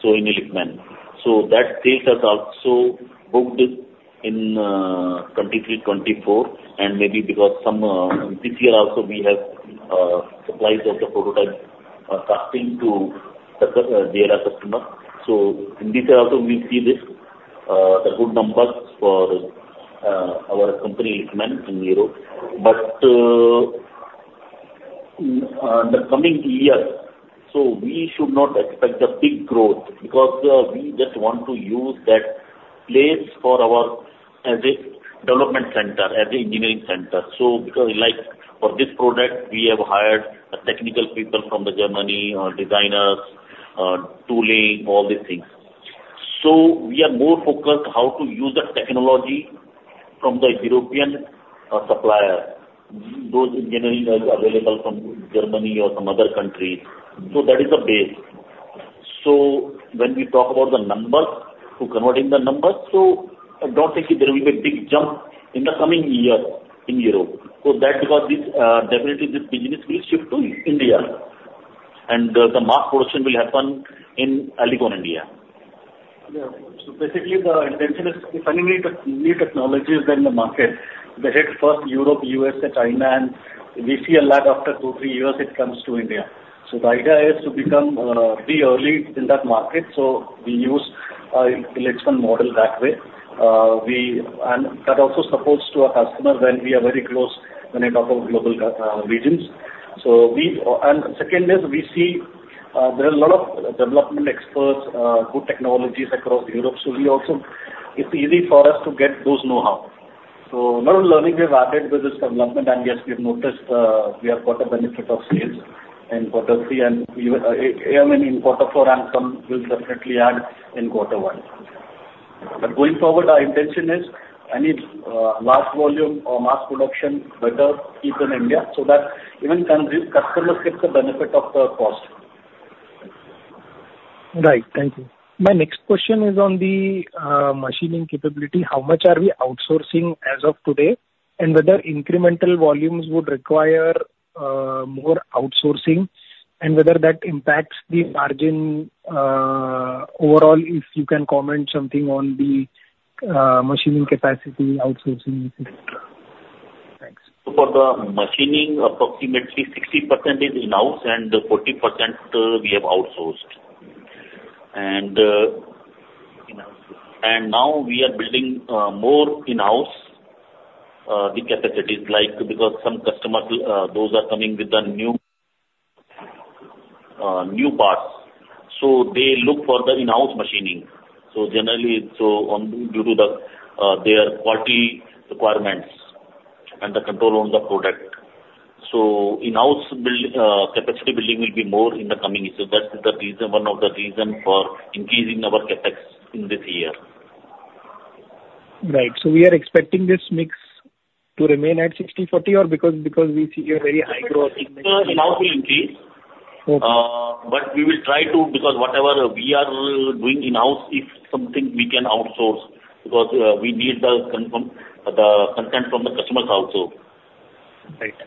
so in Illichmann. So that sales has also booked in 2023, 2024, and maybe because some this year also we have supplies of the prototype starting to success their customer. So in this year also, we see this the good numbers for our company Illichmann in Europe. But in the coming years, so we should not expect a big growth because we just want to use that place for our as a development center, as an engineering center. So because, like, for this product, we have hired technical people from Germany, designers, tooling, all these things. So we are more focused how to use the technology from the European supplier. Those engineering are available from Germany or some other countries, so that is the base. So when we talk about the numbers, to converting the numbers, so I don't think there will be a big jump in the coming year in Europe. So that's because this, definitely this business will shift to India, and, the mass portion will happen in Alicon, India. Yeah. So basically, the intention is, if any new technologies are in the market, they hit first Europe, U.S., and China, and we see a lag after two, three years, it comes to India. So the idea is to be early in that market, so we use Illichmann model that way. And that also supports to our customer when we are very close, when I talk about global regions. So we... And second is, we see there are a lot of development experts, good technologies across Europe, so we also, it's easy for us to get those know-how. So not only learning, we have added with this development, and yes, we have noticed, we have got a benefit of sales in quarter three, and even, I mean, in quarter four, and some will definitely add in quarter one. But going forward, our intention is any, large volume or mass production better keep in India, so that even can, customers get the benefit of the cost. Right. Thank you. My next question is on the machining capability. How much are we outsourcing as of today? And whether incremental volumes would require more outsourcing, and whether that impacts the margin overall, if you can comment something on the machining capacity, outsourcing, et cetera. Thanks. For the machining, approximately 60% is in-house, and 40%, we have outsourced. In-house. And now we are building more in-house the capacities, like, because some customers those are coming with the new new parts, so they look for the in-house machining. So generally so on due to the their quality requirements and the control on the product. So in-house build capacity building will be more in the coming years. So that is the reason, one of the reason for increasing our CapEx in this year. Right. So we are expecting this mix to remain at 60/40 or because, because we see a very high growth In-house will increase. Okay. But we will try to, because whatever we are doing in-house, if something we can outsource, because we need the conformance, the content from the customers also. Right.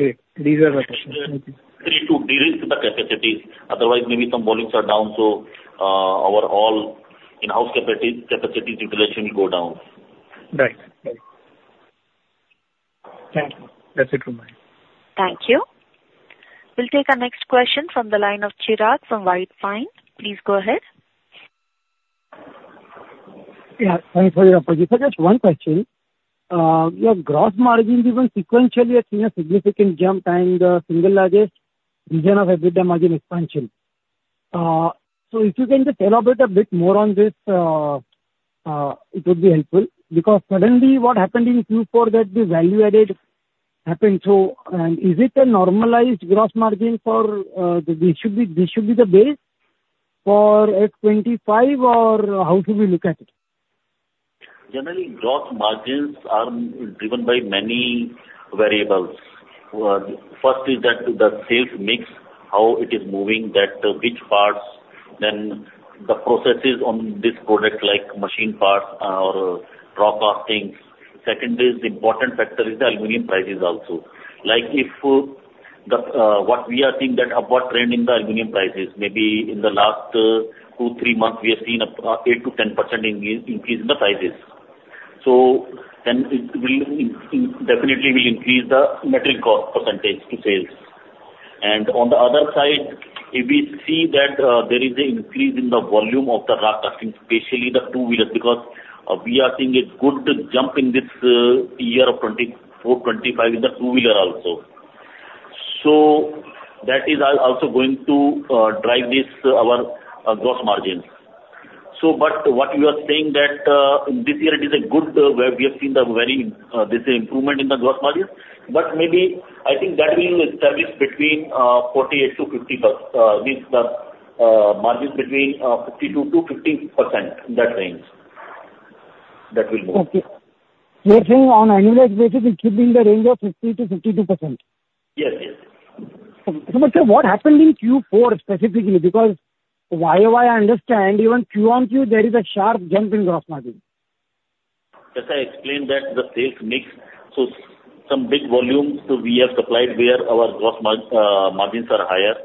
Great. These are the questions. To de-risk the capacities. Otherwise, maybe some volumes are down, so, our all in-house capacities utilization will go down. Right. Right. Thank you. That's it from my end. Thank you. We'll take our next question from the line of Chirag from White Pine. Please go ahead. Yeah, thank you very much. Just one question. Your gross margin has been sequentially has seen a significant jump and the single largest reason of EBITDA margin expansion. So if you can just elaborate a bit more on this, it would be helpful. Because suddenly what happened in Q4, that the value-added happened, so, is it a normalized gross margin for, this should be, this should be the base for at 25, or how should we look at it? Generally, gross margins are driven by many variables. First is that the sales mix, how it is moving, that, which parts, then the processes on this product, like machine parts or raw castings. Second is the important factor is the aluminum prices also. Like, if, the, what we are seeing that upward trend in the aluminum prices, maybe in the last, 2-3 months, we have seen up 8%-10% increase in the prices. So then it will definitely increase the material cost percentage to sales. And on the other side, if we see that, there is an increase in the volume of the raw casting, especially the two-wheelers, because, we are seeing a good jump in this, year of 2024-2025 in the two-wheeler also. So that is also going to drive this, our gross margin. But what you are saying that this year it is a good where we have seen the very, there's an improvement in the gross margin, but maybe I think that will establish between 48-50+, means the margin between 52%-50%, that range. That will move. Okay. You're saying on annualized basis, it should be in the range of 50%-52%? Yes, yes. Sir, what happened in Q4 specifically? Because year-over-year, I understand, even quarter-over-quarter, there is a sharp jump in gross margin. ...As I explained that the sales mix, so some big volumes we have supplied where our gross margins are higher,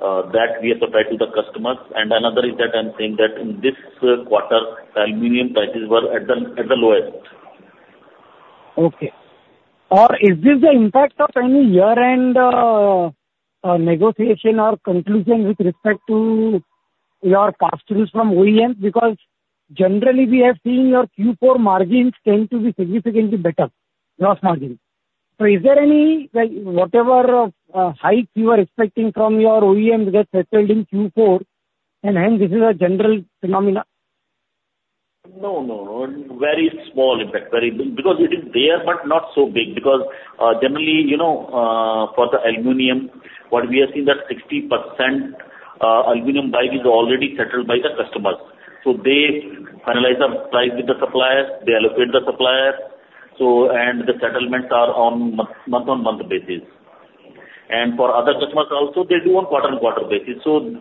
that we have supplied to the customers. And another is that I'm saying that in this quarter, the aluminum prices were at the lowest. Okay. Or is this the impact of any year-end negotiation or conclusion with respect to your customers from OEM? Because generally, we have seen your Q4 margins tend to be significantly better, gross margin. So is there any, like, whatever, hike you are expecting from your OEMs get settled in Q4, and hence, this is a general phenomenon? No, no, no. Very small impact, very big, because it is there, but not so big, because, generally, you know, for the aluminum, what we have seen that 60% aluminum buy is already settled by the customers. So they finalize the price with the suppliers, they allocate the suppliers, so, and the settlements are on month-on-month basis. And for other customers also, they do on quarter-on-quarter basis. So,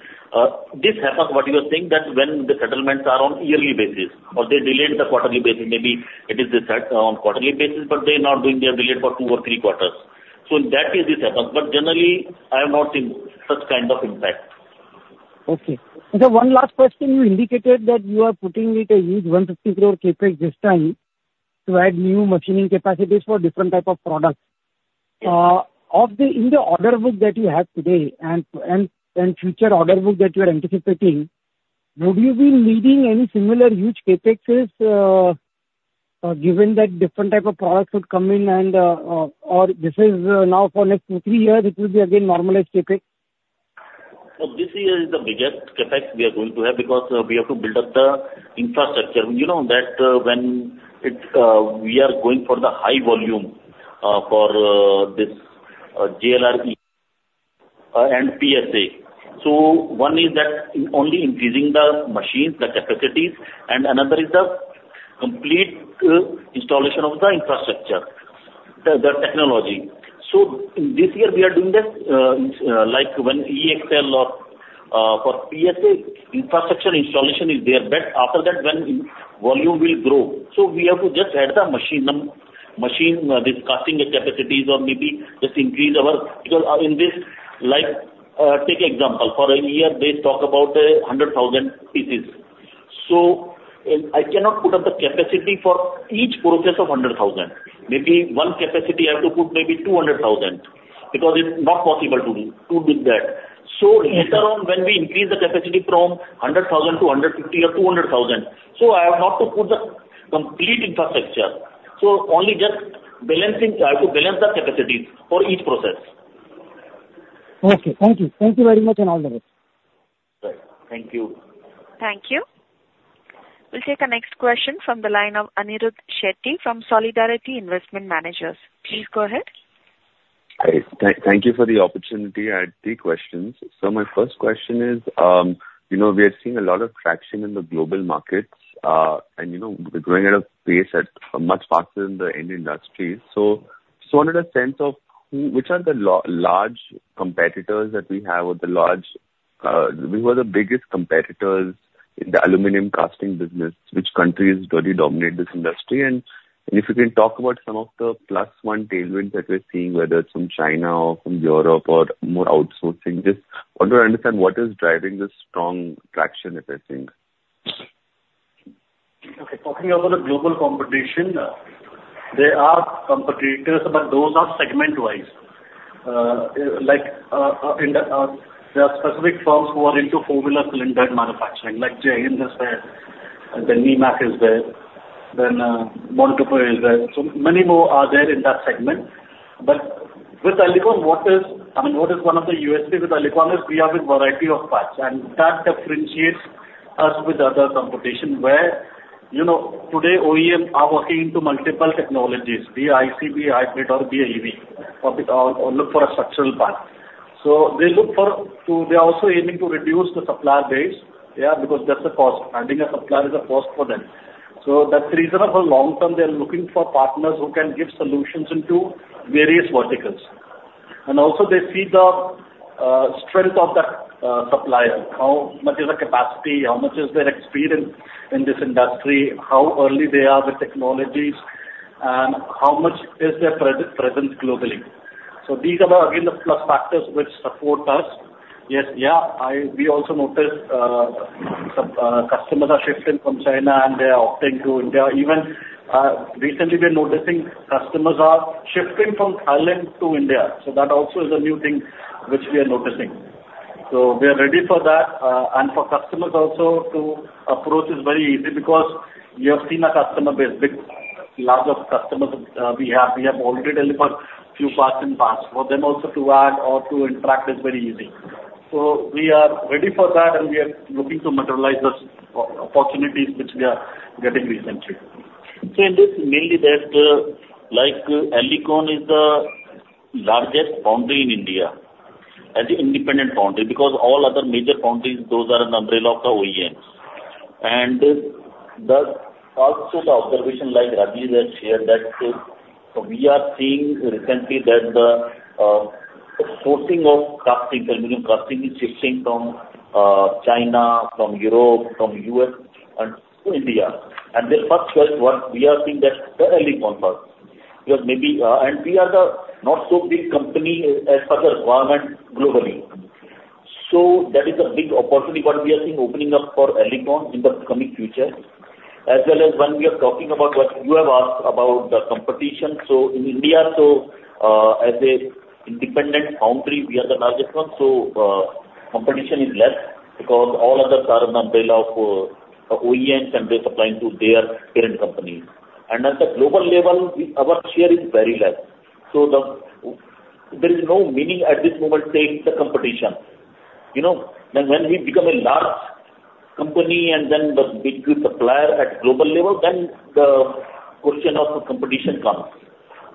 this happens, what you are saying, that when the settlements are on yearly basis or they delayed the quarterly basis, maybe it is decided on quarterly basis, but they're not doing, they are delayed for two or three quarters. So in that case, this happens, but generally, I have not seen such kind of impact. Okay. And one last question, you indicated that you are putting in a huge 150 crore CapEx this time to add new machining capacities for different type of products. Of the, in the order book that you have today and future order book that you are anticipating, would you be needing any similar huge CapExes, given that different type of products would come in and, or this is now for next two, three years, it will be again normalized CapEx? So this year is the biggest CapEx we are going to have because we have to build up the infrastructure. You know that, when it's, we are going for the high volume, for, this, JLR, and PSA. So one is that only increasing the machines, the capacities, and another is the complete, installation of the infrastructure, the, the technology. So this year we are doing that, like when JLR or, for PSA, infrastructure installation is there. But after that, when volume will grow, so we have to just add the machine, the machine, discussing the capacities or maybe just increase our... Because, in this, like, take example, for a year, they talk about 100,000 pieces. So I cannot put up the capacity for each process of 100,000. Maybe 100,000 capacity, I have to put maybe 200,000, because it's not possible to do that. So later on, when we increase the capacity from 100,000 to 150,000 or 200,000, so I have not to put the complete infrastructure. So only just balancing, I have to balance the capacities for each process. Okay. Thank you. Thank you very much and all the best. Right. Thank you. Thank you. We'll take the next question from the line of Anirudh Shetty from Solidarity Investment Managers. Please go ahead. Hi. Thank you for the opportunity. I had three questions. So my first question is, you know, we are seeing a lot of traction in the global markets, and you know, we're growing at a pace at much faster than the end industries. So wanted a sense of who, which are the large competitors that we have, or the large, who are the biggest competitors in the aluminum casting business? Which countries really dominate this industry? And if you can talk about some of the plus one tailwinds that we're seeing, whether it's from China or from Europe or more outsourcing, just want to understand what is driving this strong traction, if I think. Okay. Talking about the global competition, there are competitors, but those are segment-wise. Like, in the, there are specific firms who are into four-wheeler cylinder manufacturing, like Jay Hind is there, then Nemak is there, then, Magna Powertrain is there. So many more are there in that segment. But with Alicon, what is—I mean, what is one of the USP with Alicon is we have a variety of parts, and that differentiates us with other competition, where, you know, today OEMs are working into multiple technologies, be it ICE, hybrid or be EV, or look for a structural part. So they look for, to... They are also aiming to reduce the supplier base. Yeah, because that's the cost. Adding a supplier is a cost for them. So that's the reason for long term, they are looking for partners who can give solutions into various verticals. And also they see the strength of that supplier, how much is the capacity, how much is their experience in this industry, how early they are with technologies, and how much is their presence globally. So these are, again, the plus factors which support us. Yes, yeah, we also noticed some customers are shifting from China, and they are opting to India. Even recently, we're noticing customers are shifting from Thailand to India, so that also is a new thing which we are noticing. So we are ready for that, and for customers also to approach is very easy because we have seen a customer base, big, large of customers, we have. We have already delivered few parts in the past. For them also to add or to interact is very easy. So we are ready for that, and we are looking to materialize the opportunities which we are getting recently. So in this, mainly that, like, Alicon is the largest foundry in India, as the independent foundry, because all other major foundries, those are under the law of the OEM. And the, also the observation, like Rajiv has shared, that we are seeing recently that the,... the sourcing of casting, because casting is shifting from China, from Europe, from the U.S. and to India. And their first choice, what we are seeing that the Alicon first, because maybe, and we are the not so big company as per the requirement globally. So that is a big opportunity what we are seeing opening up for Alicon in the coming future, as well as when we are talking about what you have asked about the competition. So in India, so, as an independent foundry, we are the largest one, so, competition is less because all other captive umbrella of OEMs, and they're supplying to their parent company. And at the global level, we, our share is very less. So there is no meaning at this moment saying the competition. You know, when we become a large company and then the big good supplier at global level, then the question of the competition comes.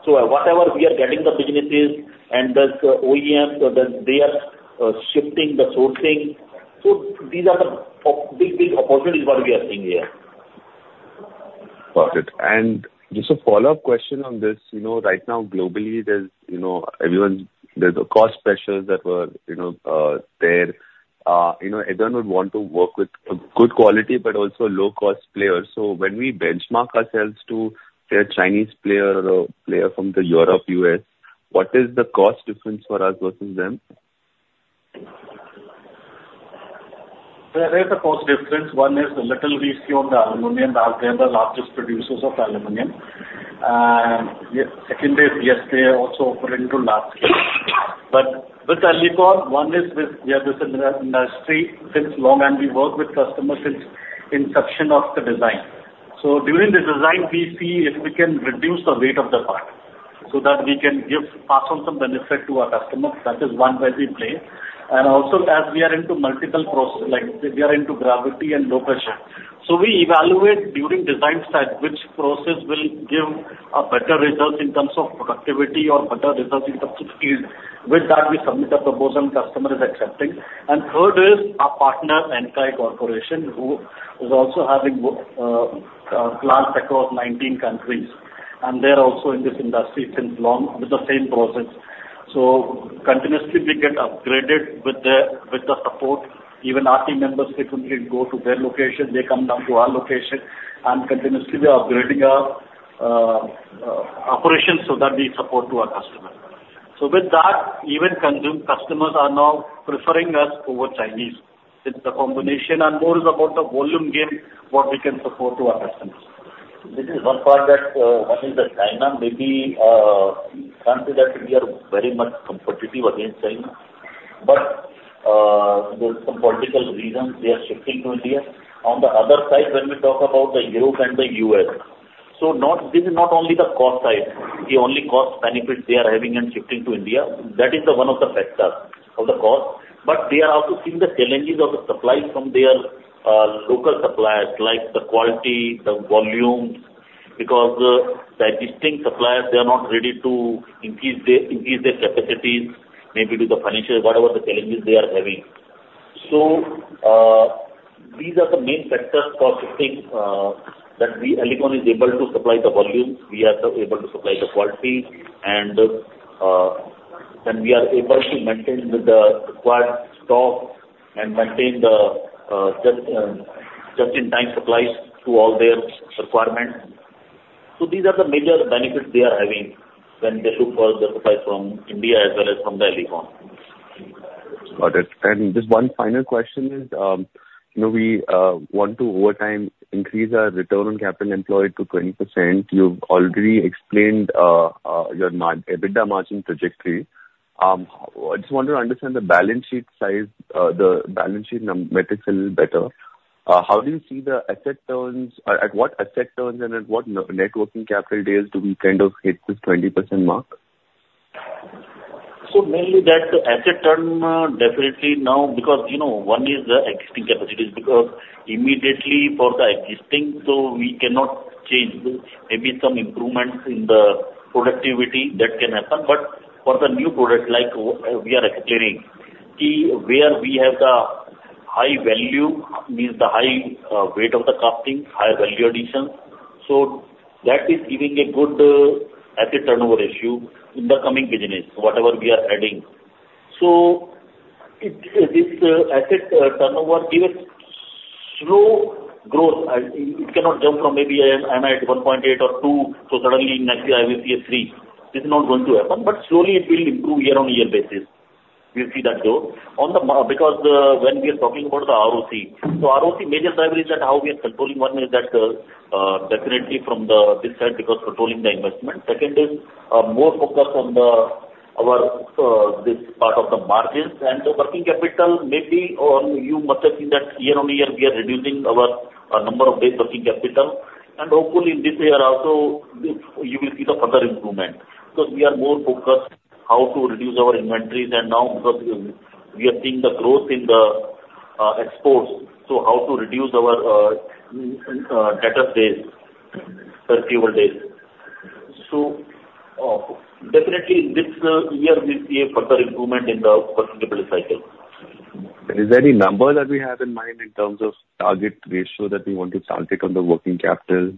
So whatever we are getting the businesses and the OEMs, so then they are shifting the sourcing. So these are the big, big opportunities what we are seeing here. Got it. And just a follow-up question on this, you know, right now, globally, there's, you know, everyone—there's cost pressures that were, you know, there. You know, everyone would want to work with a good quality but also a low cost player. So when we benchmark ourselves to a Chinese player or a player from Europe, US, what is the cost difference for us versus them? There is a cost difference. One is the little risky on the aluminum, as they are the largest producers of aluminum. Second is, yes, they are also operating to large scale. But with Alicon, we are within the industry since long, and we work with customers since inception of the design. So during the design, we see if we can reduce the weight of the part, so that we can give, pass on some benefit to our customers. That is one way we play. And also, as we are into multiple process, like we are into gravity and low pressure. So we evaluate during design stage, which process will give a better result in terms of productivity or better result in terms of yield. With that, we submit the proposal, customer is accepting. And third is our partner, Enkei Corporation, who is also having clients across 19 countries, and they're also in this industry since long with the same process. So continuously, we get upgraded with the support. Even our team members frequently go to their location, they come down to our location and continuously we are upgrading our operations so that we support to our customers. So with that, even customers are now preferring us over Chinese. It's the combination and more is about the volume game, what we can support to our customers. This is one part that, one is the China, maybe, can't say that we are very much competitive against China, but, there's some political reasons they are shifting to India. On the other side, when we talk about the Europe and the U.S., so not- this is not only the cost side, the only cost benefit they are having and shifting to India, that is the one of the factors of the cost. But they are also seeing the challenges of the supply from their, local suppliers, like the quality, the volume, because, the existing suppliers, they are not ready to increase their, increase their capacities, maybe due to financial, whatever the challenges they are having. So, these are the main factors for shifting that we Alicon is able to supply the volume, we are able to supply the quality, and we are able to maintain the required stock and maintain the just-in-time supplies to all their requirements. So these are the major benefits they are having when they look for the supply from India as well as from the Alicon. Got it. Just one final question is, you know, we want to, over time, increase our return on capital employed to 20%. You've already explained your EBITDA margin trajectory. I just want to understand the balance sheet size, the balance sheet metrics a little better. How do you see the asset turns, or at what asset turns and at what net working capital days do we kind of hit this 20% mark? So mainly that asset turn, definitely now, because, you know, one is the existing capacities, because immediately for the existing, so we cannot change. Maybe some improvements in the productivity that can happen. But for the new product, like we are explaining, key where we have the high value, means the high, weight of the casting, high value addition. So that is giving a good, asset turnover ratio in the coming business, whatever we are adding. So it, this, asset, turnover give us slow growth. It, it cannot jump from maybe I am, I'm at 1.8 or 2, so suddenly next year I will be a 3. This is not going to happen, but slowly it will improve year on year basis. We'll see that growth. Because when we are talking about the ROC, so ROC major driver is that how we are controlling. One is that definitely from this side, because controlling the investment. Second is more focused on the our this part of the margins. And the working capital, maybe or you must have seen that year-on-year we are reducing our number of days working capital. And hopefully this year also you will see the further improvement, because we are more focused how to reduce our inventories and now because we are seeing the growth in the exports, so how to reduce our debtor days, receivable days. So definitely this year we see a further improvement in the working capital.... Is there any number that we have in mind in terms of target ratio that we want to target on the working capital?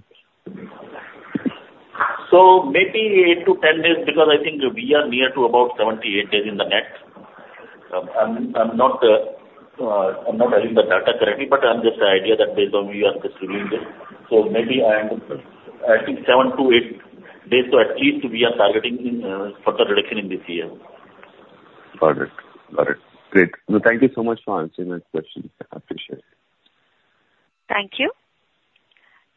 So maybe 8-10 days, because I think we are near to about 78 days in the net. I'm not having the data correctly, but I'm just the idea that based on we are pursuing this. So maybe I am, I think 7-8 days, so at least we are targeting further reduction in this year. Got it. Got it. Great. No, thank you so much for answering my questions. I appreciate it. Thank you.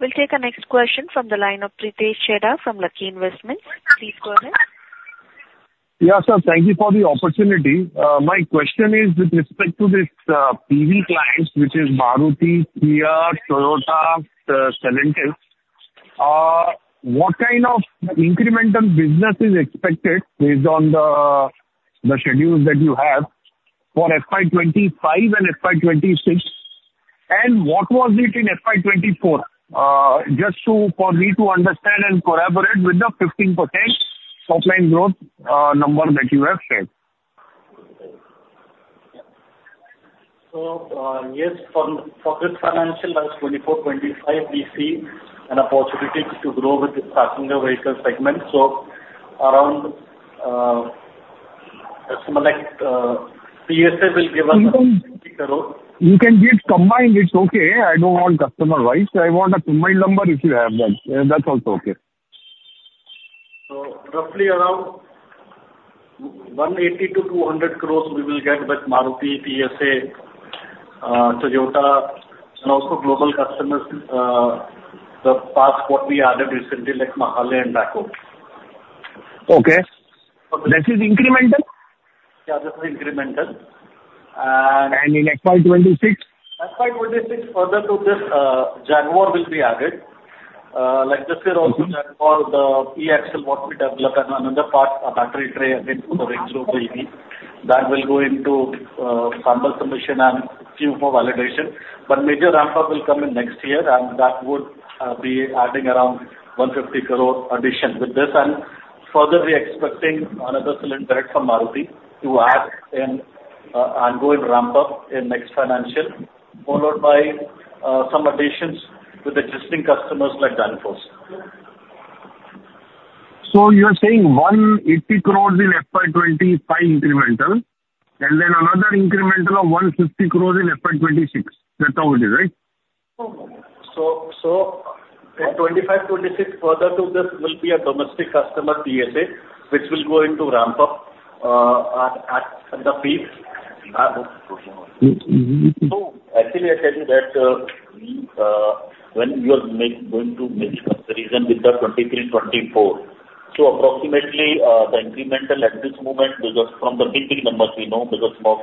We'll take the next question from the line of Pritesh Chheda from Lucky Investment Managers. Please go ahead. Yeah, sir. Thank you for the opportunity. My question is with respect to this, PV clients, which is Maruti, Kia, Toyota, Stellantis. What kind of incremental business is expected based on the, the schedules that you have for FY 2025 and FY 2026? And what was it in FY 2024? Just to, for me to understand and corroborate with the 15% top line growth, number that you have said. So, yes, for this financial year, 2024-2025, we see an opportunity to grow with the passenger vehicle segment. So around, like, PSA will give us INR 50 crore. You can give combined, it's okay. I don't want customer-wise. I want a combined number, if you have that. That's also okay. Roughly around 180 crores-200 crores, we will get with Maruti, PSA, Toyota, and also global customers, plus what we added recently, like Mahle and Marco. Okay. That is incremental? Yeah, this is incremental. And- In FY 2026? FY 2026, further to this, Jaguar will be added. Like this year also, Jaguar, the E-Axle, what we developed and another part, a Battery Tray again for the Range Rover EV. That will go into, sample submission and queue for validation. But major ramp up will come in next year, and that would, be adding around 150 crore addition with this. And further, we are expecting another indirect from Maruti to add an, ongoing ramp up in next financial, followed by, some additions with existing customers like Danfoss. So you are saying 180 crores in FY 2025 incremental, and then another incremental of 150 crores in FY 2026. That's how it is, right? So in 2025, 2026, further to this will be a domestic customer, PSA, which will go into ramp up at the peak. Mm-hmm. So actually, I tell you that, we, going to make comparison with the 2023-2024, so approximately, the incremental at this moment, because from the billing numbers we know, because of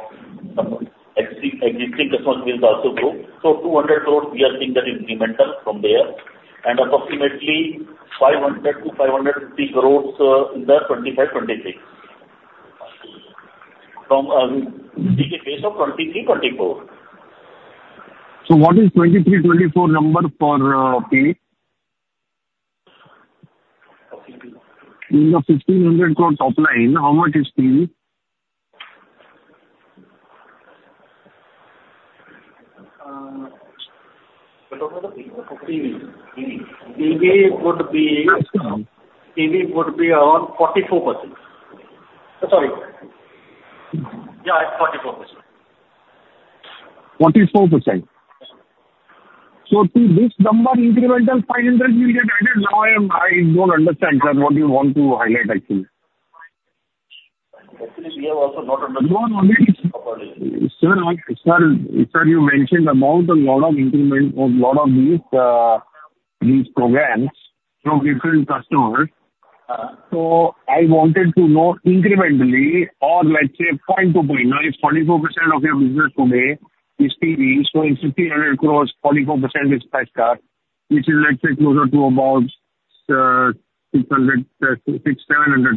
some existing, existing customers will also grow. So 200 crore, we are seeing that incremental from there, and approximately 500-550 crore, in the 2025-2026. From, the base of 2023-2024. So what is the 2023-2024 number for PV? In the 1,500 crore top line, how much is PV? PV. PV. PV would be, PV would be around 44%. Sorry. Yeah, it's 44%. 44%. So to this number, incremental 500 will get added. Now, I don't understand, sir, what you want to highlight, actually. Actually, we have also not understood. No, sir, sir, sir, you mentioned about a lot of increment, a lot of these, these programs from different customers. So I wanted to know incrementally or let's say point to point, now if 44% of your business today is PV, so in 1,500 crores, 44% is 660, which is, let's say, closer to about, 600-700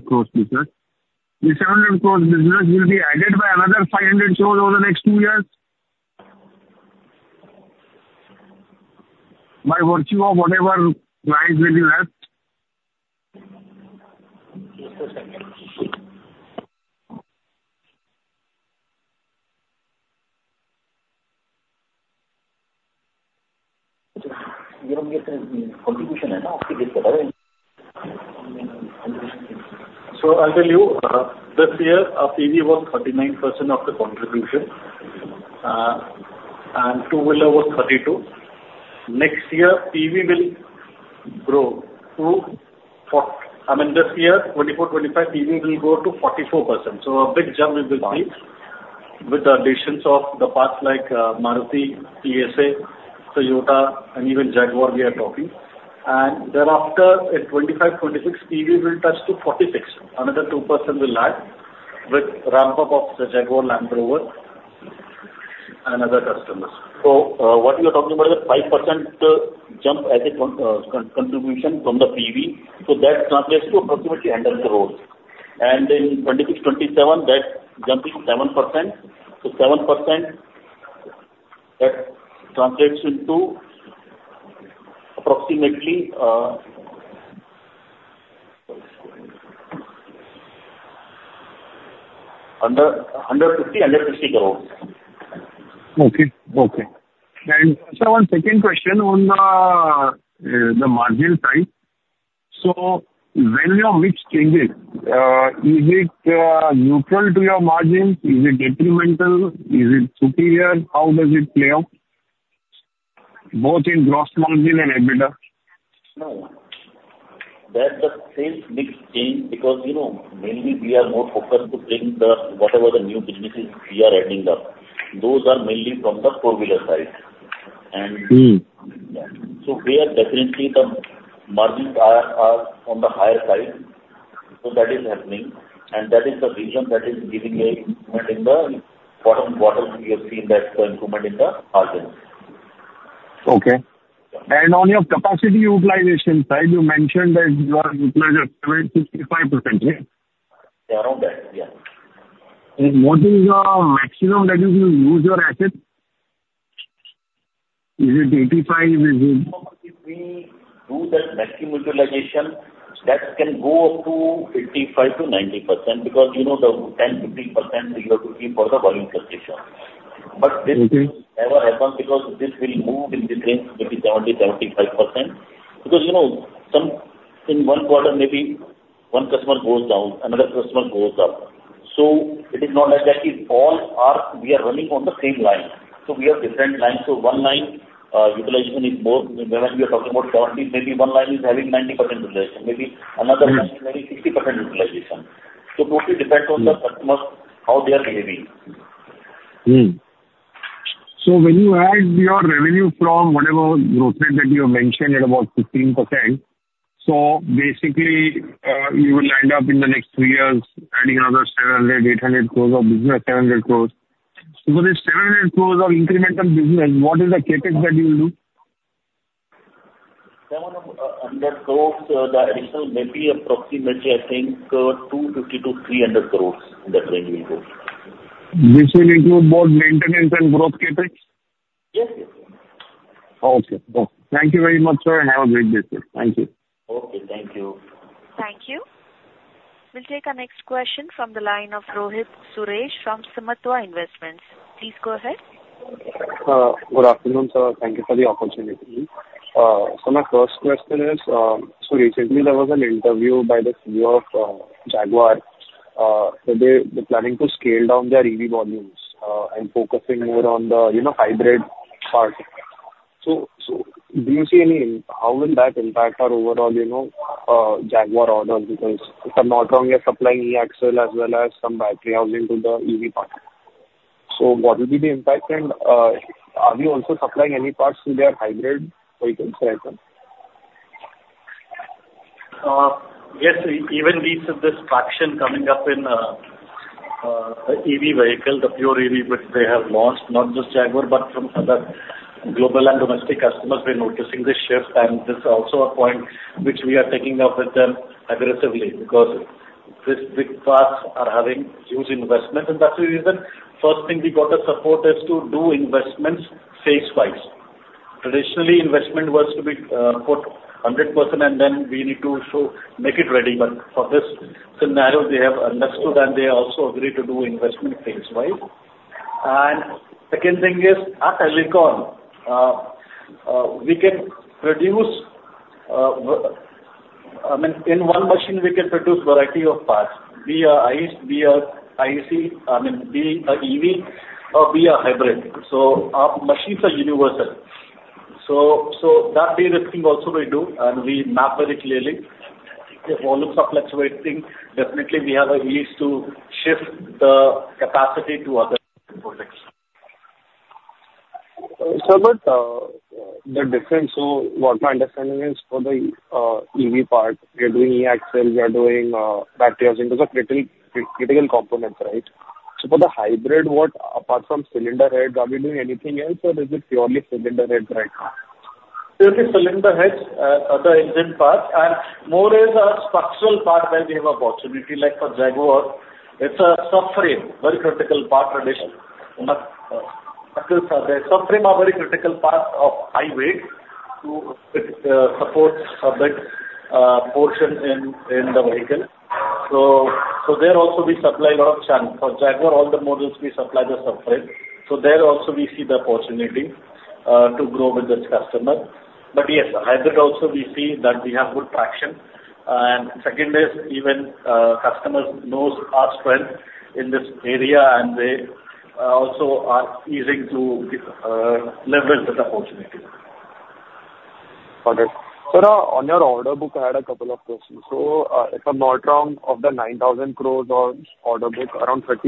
crores business. The 700 crores business will be added by another 500 crores over the next 2 years? By virtue of whatever clients will be left. So I'll tell you, this year, our PV was 39% of the contribution, and two-wheeler was 32. Next year, PV will grow to forty-four percent. I mean, this year, 2024, 2025, PV will grow to 44%. So a big jump it will see with the additions of the parts like, Maruti, PSA, Toyota, and even Jaguar, we are talking. And thereafter, in 2025, 2026, PV will touch to 46. Another two percent will add with ramp up of the Jaguar Land Rover and other customers. So, what you are talking about is a 5% jump as a contribution from the PV. So that translates to approximately INR 100 crore. And in 2026, 2027, that's jumping 7%. So 7%, that translates into approximately,... under INR 50 crores. Okay, okay. Sir, one second question on the margin side. When your mix changes, is it neutral to your margin? Is it detrimental? Is it superior? How does it play out, both in gross margin and EBITDA? No, that's the same big change, because, you know, mainly we are more focused to bring the, whatever the new businesses we are adding up. Those are mainly from the four-wheeler side. Mm. So we are definitely the margins are on the higher side. So that is happening, and that is the reason that is giving a improvement in the bottom. What else we have seen that the improvement in the margins. Okay. And on your capacity utilization side, you mentioned that you are utilizing 75%, yeah? Around that, yeah. What is your maximum that you can use your asset? Is it 85, is it- If we do that maximum utilization, that can go up to 55%-90%, because, you know, the 10%, 15% you have to keep for the volume fluctuation. Mm-hmm. But this never happens because this will move in the range between 70-75%. Because, you know, some in one quarter, maybe one customer goes down, another customer goes up. So it is not like that in all we are running on the same line. So we have different lines. So one line, utilization is more. When we are talking about 70, maybe one line is having 90% utilization, maybe another- Mm... line having 60% utilization. So totally depends on the customer, how they are behaving. So when you add your revenue from whatever growth rate that you have mentioned at about 15%, so basically, you will end up in the next three years adding another 700-800 crore of business, 700 crore. So for this 700 crore of incremental business, what is the CapEx that you will do? 700 crore, the additional maybe approximately, I think, 250-300 crore in that range we go. This will include both maintenance and growth CapEx? Yes, yes. Okay. Thank you very much, sir, and have a great day, sir. Thank you. Okay. Thank you. Thank you. We'll take our next question from the line of Rohit Suresh from Samatwa Investments. Please go ahead. Good afternoon, sir. Thank you for the opportunity. So my first question is, so recently there was an interview by the CEO of Jaguar, so they, they're planning to scale down their EV volumes, and focusing more on the, you know, hybrid part. So, so do you see any, how will that impact our overall, you know, Jaguar orders? Because if I'm not wrong, you're supplying E-Axle as well as some battery housing to the EV part. So what will be the impact, and, are you also supplying any parts to their hybrid vehicles as well? Yes, even we see this traction coming up in the EV vehicle, the pure EV, which they have launched, not just Jaguar, but from other global and domestic customers, we're noticing this shift, and this is also a point which we are taking up with them aggressively, because this, these parts are having huge investment. And that's the reason, first thing we got the support is to do investments phase wise. Traditionally, investment was to be put 100%, and then we need to show, make it ready. But for this scenario, they have understood, and they also agreed to do investment phase wise. And second thing is, at Alicon, we can produce, I mean, in one machine, we can produce variety of parts, be IC, be IC, I mean, be a EV or be a hybrid. Our machines are universal. So that de-risking also we do, and we map very clearly. If volumes are fluctuating, definitely we have the ease to shift the capacity to other products. Sir, but the difference, so what my understanding is for the EV part, we are doing e-axle, we are doing batteries into the critical critical components, right? So for the hybrid, what, apart from cylinder heads, are we doing anything else, or is it purely cylinder heads right now? Purely cylinder heads are the engine part, and more is a structural part where we have opportunity. Like for Jaguar, it's a subframe, very critical part, really. The subframe are very critical part of high weight to support a bit portion in the vehicle. So there also we supply a lot of chunk. For Jaguar, all the models we supply the subframe. So there also we see the opportunity to grow with this customer. But yes, hybrid also we see that we have good traction. And second is even customers knows our strength in this area, and they also are easing to leverage the opportunity. Got it. Sir, on your order book, I had a couple of questions. So, if I'm not wrong, of the 9,000 crore on order book, around 30% is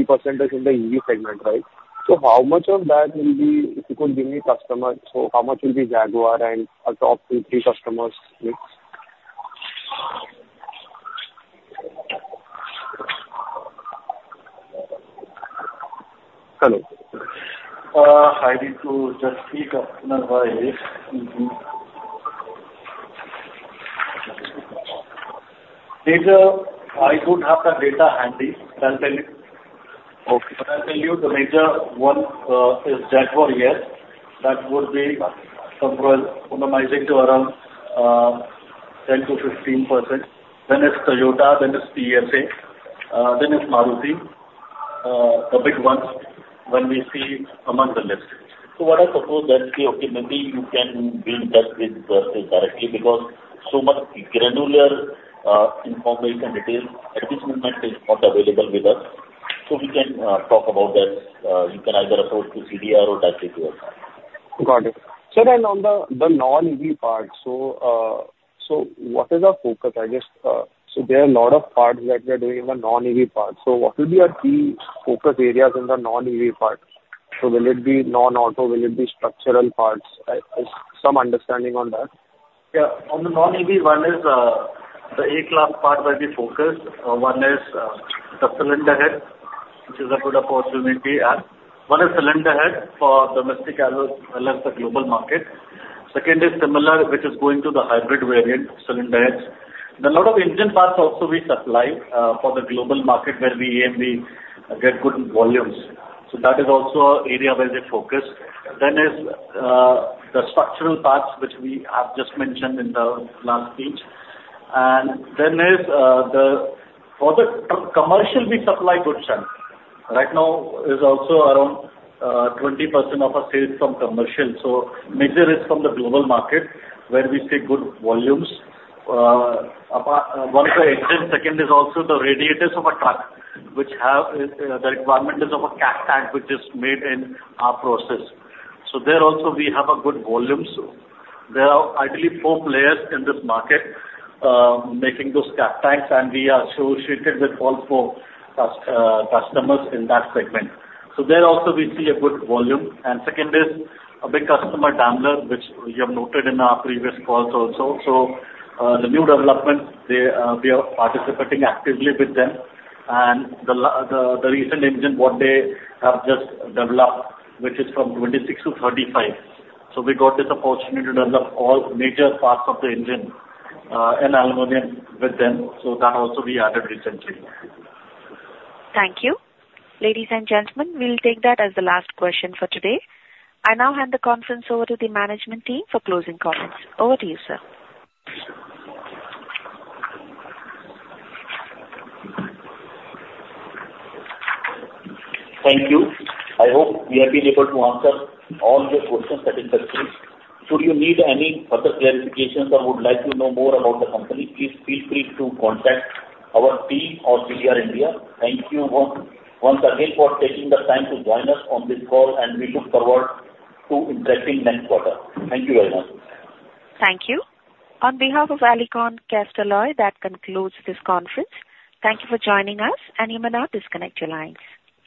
in the EV segment, right? So how much of that will be, if you could give me customers, so how much will be Jaguar and our top 50 customers mix? Hello. I need to just speak up otherwise... I don't have the data handy. I'll tell you.... Okay, but I'll tell you, the major one is Jaguar. Yes, that would be compromising to around 10%-15%. Then it's Toyota, then it's PSA, then it's Maruti, the big ones when we see among the list. So what I propose that, okay, maybe you can be in touch with us directly, because so much granular information detail at this moment is not available with us. So we can talk about that. You can either approach to CDR or directly to us. Got it. Sir, and on the non-EV part, so what is our focus? I guess, so there are a lot of parts that we are doing in the non-EV part. So what will be our key focus areas in the non-EV part? So will it be non-auto? Will it be structural parts? I some understanding on that. Yeah. On the non-EV, one is the A-Class Part will be focused. One is the Cylinder Head, which is a good opportunity, and one is Cylinder Head for domestic as well as the global market. Second is similar, which is going to the hybrid variant Cylinder Heads. Then a lot of engine parts also we supply for the global market, where we aim we get good volumes. So that is also an area where they focus. Then is the structural parts, which we have just mentioned in the last page. And then there's for the commercial, we supply good chunk. Right now, is also around 20% of our sales from commercial. So major is from the global market, where we see good volumes. One is the engine, second is also the radiators of a truck, which have the requirement is of a CAC tank, which is made in our process. So there also we have a good volume. So there are ideally four players in this market, making those CAC tanks, and we are associated with all four customers in that segment. So there also we see a good volume. And second is a big customer, Daimler, which you have noted in our previous calls also. So, the new development, they, we are participating actively with them. And the recent engine what they have just developed, which is from 26 to 35. So we got this opportunity to develop all major parts of the engine in aluminum with them, so that also we added recently. Thank you. Ladies and gentlemen, we'll take that as the last question for today. I now hand the conference over to the management team for closing comments. Over to you, sir. Thank you. I hope we have been able to answer all the questions that in the stream. Should you need any further clarifications or would like to know more about the company, please feel free to contact our team or CDR India. Thank you once again for taking the time to join us on this call, and we look forward to interacting next quarter. Thank you very much. Thank you. On behalf of Alicon Castalloy, that concludes this conference. Thank you for joining us, and you may now disconnect your lines.